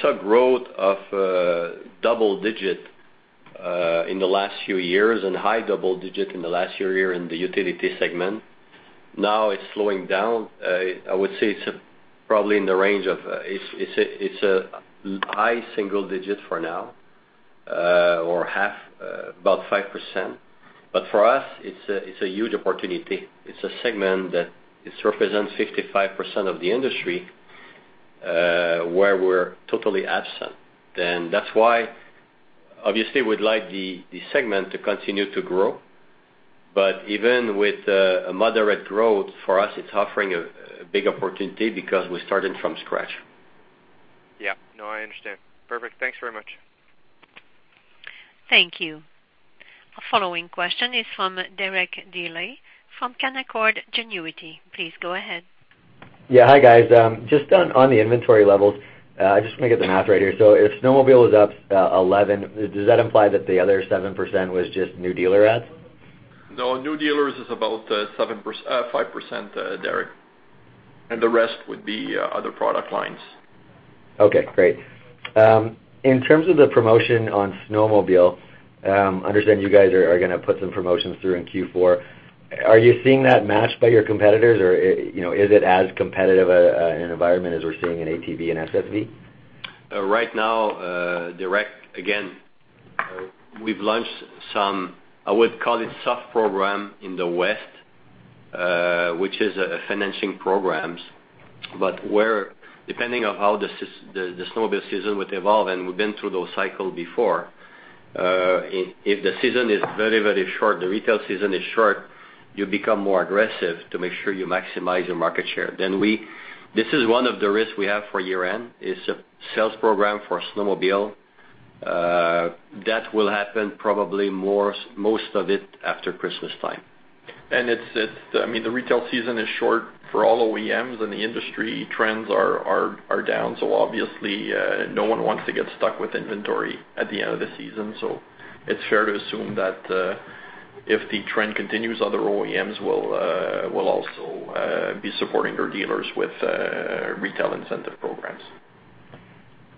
S3: saw growth of double-digit in the last few years and high double-digit in the last year in the utility segment. Now it's slowing down. I would say it's probably in the range of, it's a high single-digit for now or half, about 5%. For us, it's a huge opportunity. It's a segment that it represents 55% of the industry, where we're totally absent. That's why, obviously, we'd like the segment to continue to grow. Even with a moderate growth, for us, it's offering a big opportunity because we're starting from scratch.
S12: Yeah. No, I understand. Perfect. Thanks very much.
S1: Thank you. Our following question is from Derek Dley from Canaccord Genuity. Please go ahead.
S13: Yeah. Hi, guys. Just on the inventory levels, I just want to get the math right here. If snowmobile was up 11, does that imply that the other 7% was just new dealer adds?
S4: No, new dealers is about 5%, Derek, and the rest would be other product lines.
S13: Okay, great. In terms of the promotion on snowmobile, I understand you guys are going to put some promotions through in Q4. Are you seeing that matched by your competitors, or is it as competitive an environment as we're seeing in ATV and SSV?
S3: Right now, Derek, again, we've launched some, I would call it soft program in the West, which is a financing programs. Where, depending on how the snowmobile season would evolve, and we've been through those cycle before, if the season is very short, the retail season is short, you become more aggressive to make sure you maximize your market share. This is one of the risks we have for year-end, is a sales program for snowmobile. That will happen probably most of it after Christmas time.
S4: The retail season is short for all OEMs, and the industry trends are down. Obviously, no one wants to get stuck with inventory at the end of the season. It's fair to assume that if the trend continues, other OEMs will also be supporting their dealers with retail incentive programs.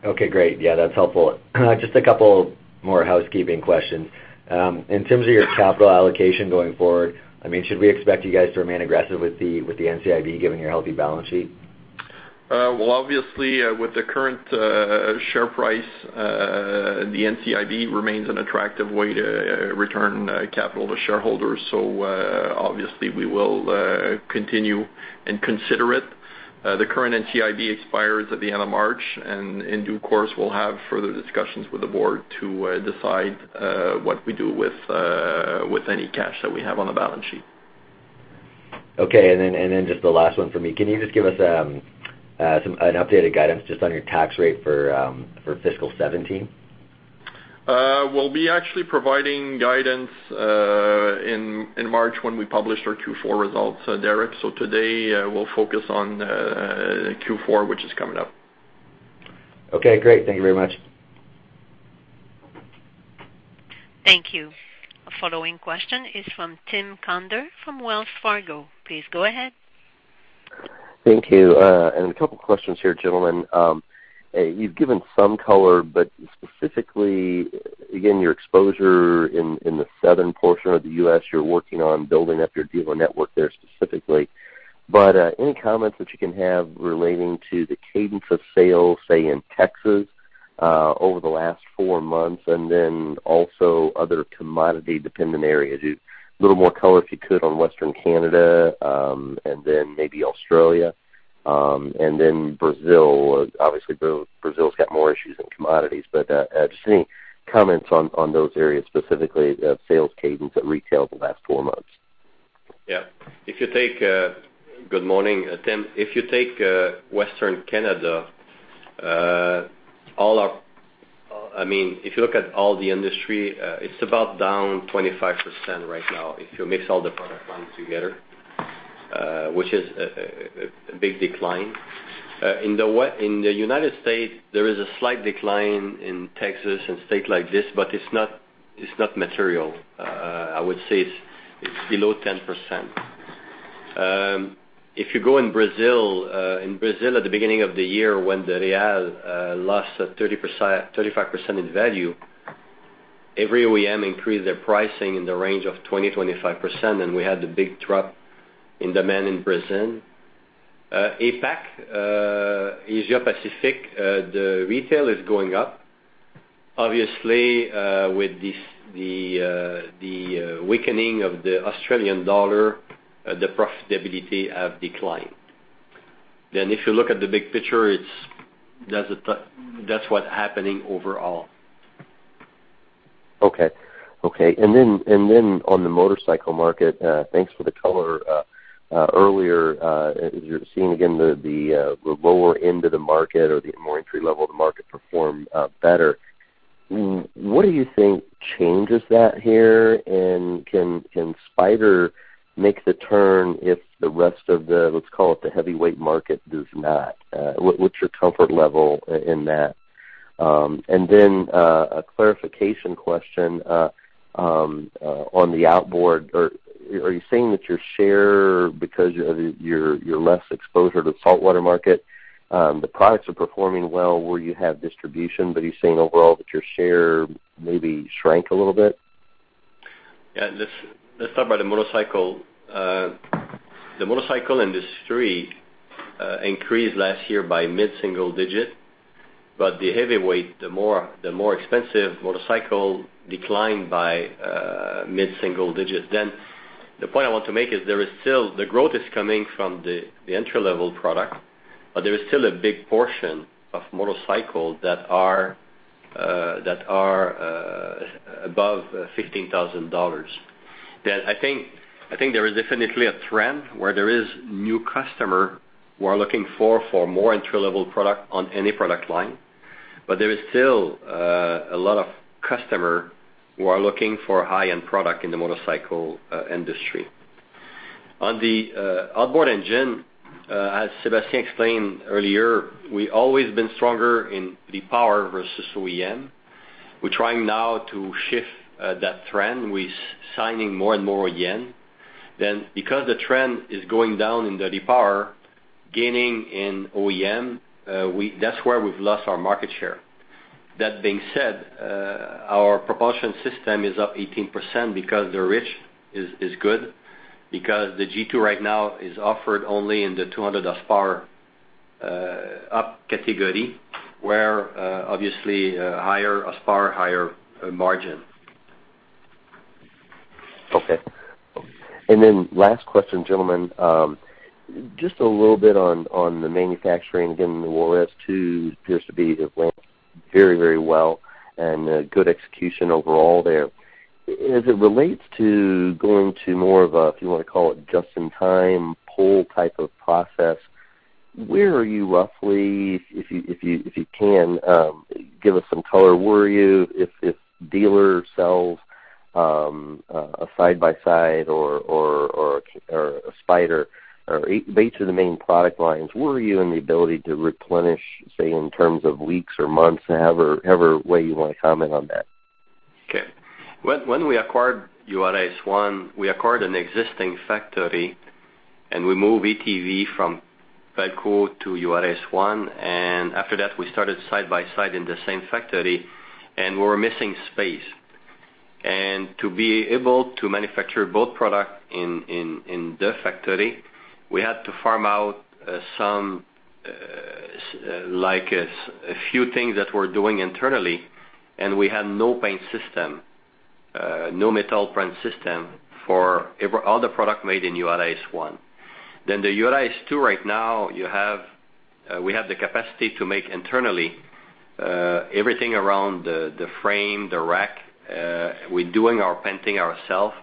S13: Okay, great. Yeah, that's helpful. Just a couple more housekeeping questions. In terms of your capital allocation going forward, should we expect you guys to remain aggressive with the NCIB, given your healthy balance sheet?
S4: Well, obviously, with the current share price, the NCIB remains an attractive way to return capital to shareholders. Obviously, we will continue and consider it. The current NCIB expires at the end of March, and in due course, we'll have further discussions with the Board to decide what we do with any cash that we have on the balance sheet.
S13: Okay. Then just the last one for me. Can you just give us an updated guidance just on your tax rate for fiscal 2017?
S4: We'll be actually providing guidance in March when we publish our Q4 results, Derek. Today, we'll focus on Q4, which is coming up.
S13: Okay, great. Thank you very much.
S1: Thank you. Our following question is from Tim Conder from Wells Fargo. Please go ahead.
S14: Thank you. A couple questions here, gentlemen. You've given some color, specifically, again, your exposure in the southern portion of the U.S., you're working on building up your dealer network there specifically. Any comments that you can have relating to the cadence of sales, say, in Texas, over the last four months, also other commodity-dependent areas? A little more color, if you could, on Western Canada, maybe Australia. Brazil. Obviously, Brazil's got more issues than commodities. Just any comments on those areas, specifically the sales cadence at retail the last four months.
S3: Good morning, Tim. If you take Western Canada, if you look at all the industry, it's about down 25% right now if you mix all the product lines together, which is a big decline. In the United States, there is a slight decline in Texas and states like this, but it's not material. I would say it's below 10%. If you go in Brazil, in Brazil at the beginning of the year when the real lost 35% in value, every OEM increased their pricing in the range of 20%-25%, and we had the big drop in demand in Brazil. APAC, Asia Pacific, the retail is going up. Obviously, with the weakening of the Australian dollar, the profitability have declined. If you look at the big picture, that's what happening overall.
S14: Okay. On the motorcycle market, thanks for the color earlier. As you're seeing again, the lower end of the market or the more entry level of the market perform better, what do you think changes that here? Can Spyder make the turn if the rest of the, let's call it, the heavyweight market does not? What's your comfort level in that? A clarification question on the outboard. Are you saying that your share, because of your less exposure to the saltwater market, the products are performing well where you have distribution, but are you saying overall that your share maybe shrank a little bit?
S3: Let's talk about the motorcycle. The motorcycle industry increased last year by mid-single digit, but the heavyweight, the more expensive motorcycle declined by mid-single digit. The point I want to make is the growth is coming from the entry-level product, but there is still a big portion of motorcycles that are above 15,000 dollars. I think there is definitely a trend where there is new customer who are looking for more entry-level product on any product line. There is still a lot of customer who are looking for high-end product in the motorcycle industry. On the outboard engine, as Sébastien explained earlier, we always been stronger in the power versus OEM. We're trying now to shift that trend. We're signing more and more OEM. Because the trend is going down in the power, gaining in OEM, that's where we've lost our market share. That being said, our propulsion system is up 18% because the reach is good because the G2 right now is offered only in the 200 horsepower up category, where obviously, higher horsepower, higher margin.
S14: Okay. Last question, gentlemen. Just a little bit on the manufacturing. Again, the Juárez 2 appears to be going very well and good execution overall there. As it relates to going to more of a, if you want to call it just-in-time pull type of process, where are you roughly? If you can, give us some color. If dealer sells a side-by-side or a Spyder or each of the main product lines, where are you in the ability to replenish, say, in terms of weeks or months? However way you want to comment on that.
S3: Okay. When we acquired Juárez 1, we acquired an existing factory and we moved ATV from Valcourt to Juárez 1. After that, we started side-by-side in the same factory, and we were missing space. To be able to manufacture both product in the factory, we had to farm out a few things that we're doing internally, and we had no paint system, no metal print system for all the product made in Juárez 1. The Juárez 2 right now, we have the capacity to make internally everything around the frame, the rack. We're doing our painting ourself,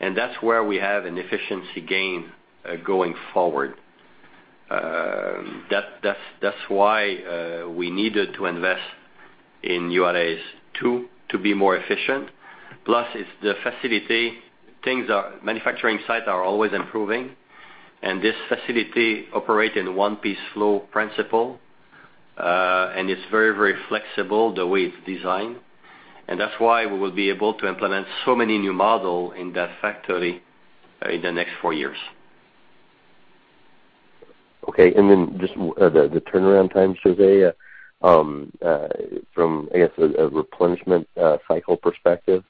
S3: and that's where we have an efficiency gain going forward. That's why we needed to invest in Juárez 2, to be more efficient. Plus, it's the facility. Manufacturing sites are always improving, and this facility operate in one-piece flow principle. It's very flexible, the way it's designed. That's why we will be able to implement so many new model in that factory in the next four years.
S14: Okay. Just the turnaround times, José, from, I guess, a replenishment cycle perspective.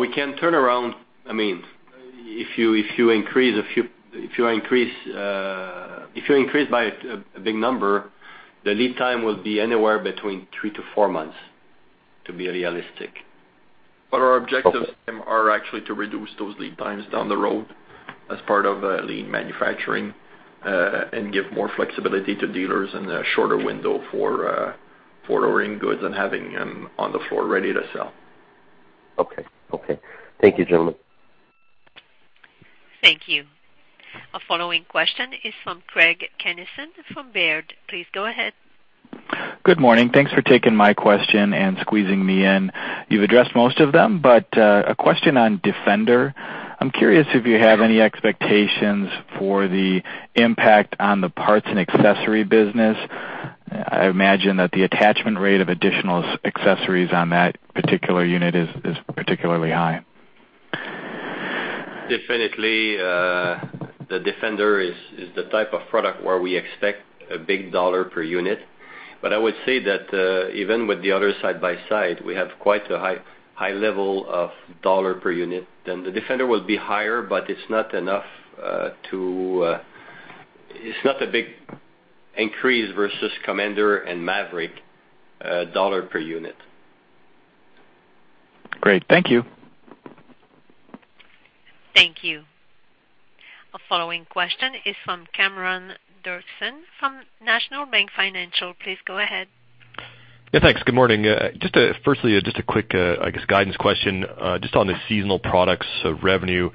S3: We can turn around. If you increase by a big number, the lead time will be anywhere between three to four months to be realistic.
S2: Our objectives, Tim, are actually to reduce those lead times down the road as part of lean manufacturing, and give more flexibility to dealers and a shorter window for ordering goods and having them on the floor ready to sell.
S14: Okay. Thank you, gentlemen.
S1: Thank you. Our following question is from Craig Kennison from Baird. Please go ahead.
S15: Good morning. Thanks for taking my question and squeezing me in. You've addressed most of them, but a question on Defender. I am curious if you have any expectations for the impact on the parts and accessory business. I imagine that the attachment rate of additional accessories on that particular unit is particularly high.
S3: Definitely. The Defender is the type of product where we expect a big dollar per unit. I would say that even with the other side-by-side, we have quite a high level of dollar per unit. The Defender will be higher, but it is not a big increase versus Commander and Maverick dollar per unit.
S15: Great. Thank you.
S1: Thank you. Our following question is from Cameron Doerksen from National Bank Financial. Please go ahead.
S16: Yeah, thanks. Good morning. Firstly, just a quick, I guess, guidance question. Just on the seasonal products revenue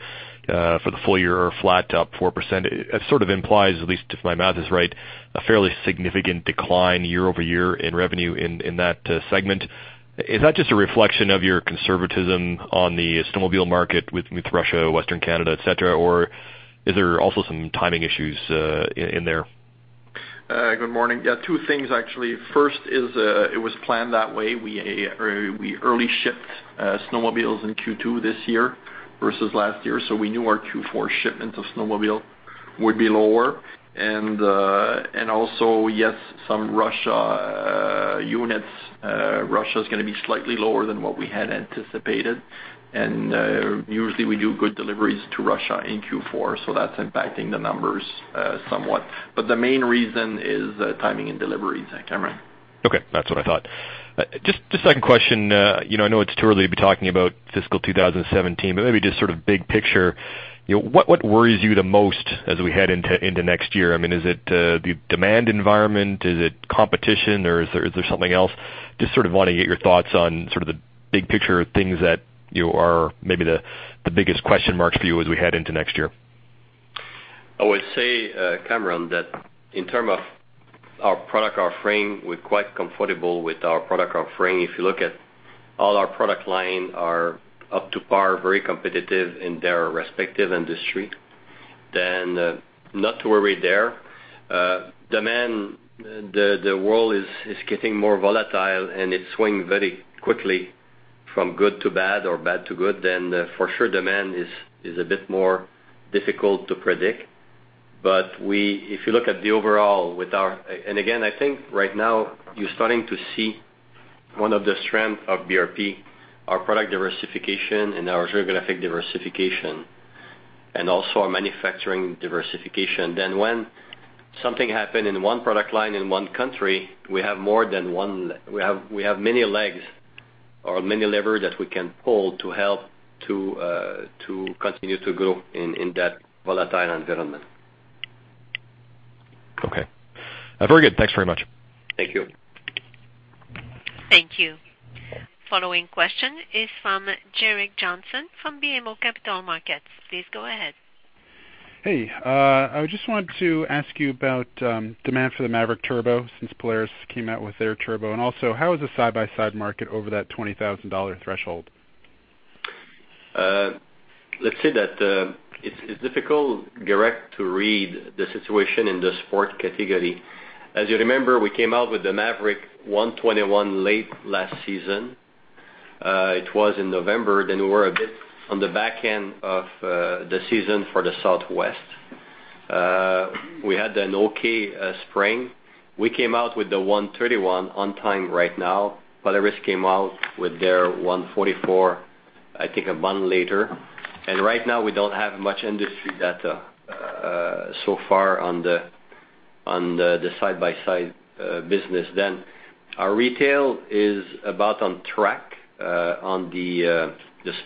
S16: for the full year are flat to up 4%. It sort of implies, at least if my math is right, a fairly significant decline year-over-year in revenue in that segment. Is that just a reflection of your conservatism on the snowmobile market with Russia, Western Canada, et cetera? Or is there also some timing issues in there?
S4: Good morning. Yeah, two things actually. First is it was planned that way. We early shipped snowmobiles in Q2 this year versus last year. We knew our Q4 shipments of snowmobile would be lower. Also, yes, some Russia units. Russia's going to be slightly lower than what we had anticipated. Usually, we do good deliveries to Russia in Q4, that's impacting the numbers somewhat. The main reason is timing and deliveries, Cameron.
S16: Okay. That's what I thought. Just second question. I know it's too early to be talking about fiscal 2017, but maybe just sort of big picture. What worries you the most as we head into next year? Is it the demand environment? Is it competition, or is there something else? Just sort of want to get your thoughts on sort of the big picture things that are maybe the biggest question marks for you as we head into next year.
S3: I would say, Cameron, that in term of our product, our frame, we're quite comfortable with our product, our frame. If you look at all our product line are up to par, very competitive in their respective industry. Not to worry there. Demand, the world is getting more volatile, and it swing very quickly from good to bad or bad to good. For sure, demand is a bit more difficult to predict. Again, I think right now you're starting to see one of the strength of BRP, our product diversification and our geographic diversification, and also our manufacturing diversification. When something happen in one product line in one country, we have many legs or many lever that we can pull to help to continue to grow in that volatile environment.
S16: Okay. Very good. Thanks very much.
S3: Thank you.
S1: Thank you. Following question is from Gerrick Johnson from BMO Capital Markets. Please go ahead.
S11: Hey. I just wanted to ask you about demand for the Maverick Turbo since Polaris came out with their Turbo, and also how is the side-by-side market over that CAD 20,000 threshold?
S3: Let's say that it's difficult, Gerrick, to read the situation in the sport category. As you remember, we came out with the Maverick 121 late last season. It was in November, we were a bit on the back end of the season for the Southwest. We had an okay spring. We came out with the 131 on time right now. Polaris came out with their 144, I think, a month later. Right now, we don't have much industry data so far on the side-by-side business. Our retail is about on track on the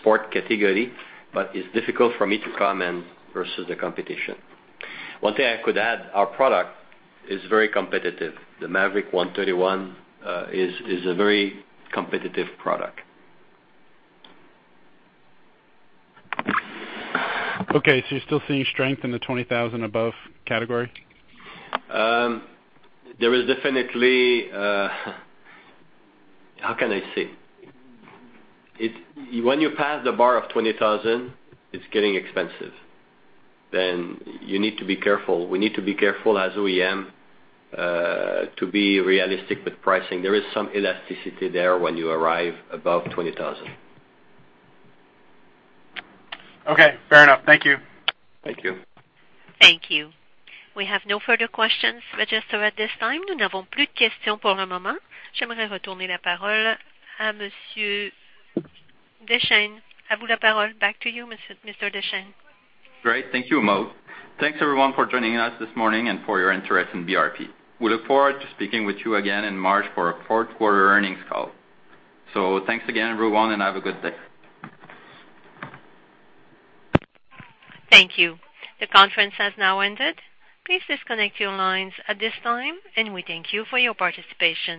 S3: sport category, it's difficult for me to comment versus the competition. One thing I could add, our product is very competitive. The Maverick 131 is a very competitive product.
S11: Okay, you're still seeing strength in the 20,000 above category?
S3: There is definitely How can I say? When you pass the bar of 20,000, it's getting expensive. You need to be careful. We need to be careful as OEM to be realistic with pricing. There is some elasticity there when you arrive above 20,000.
S11: Okay, fair enough. Thank you.
S3: Thank you.
S1: Thank you. We have no further questions registered at this time. Back to you, Mr. Deschênes.
S2: Great. Thank you, Maude. Thanks everyone for joining us this morning and for your interest in BRP. We look forward to speaking with you again in March for our fourth quarter earnings call. Thanks again, everyone, and have a good day.
S1: Thank you. The conference has now ended. Please disconnect your lines at this time, and we thank you for your participation.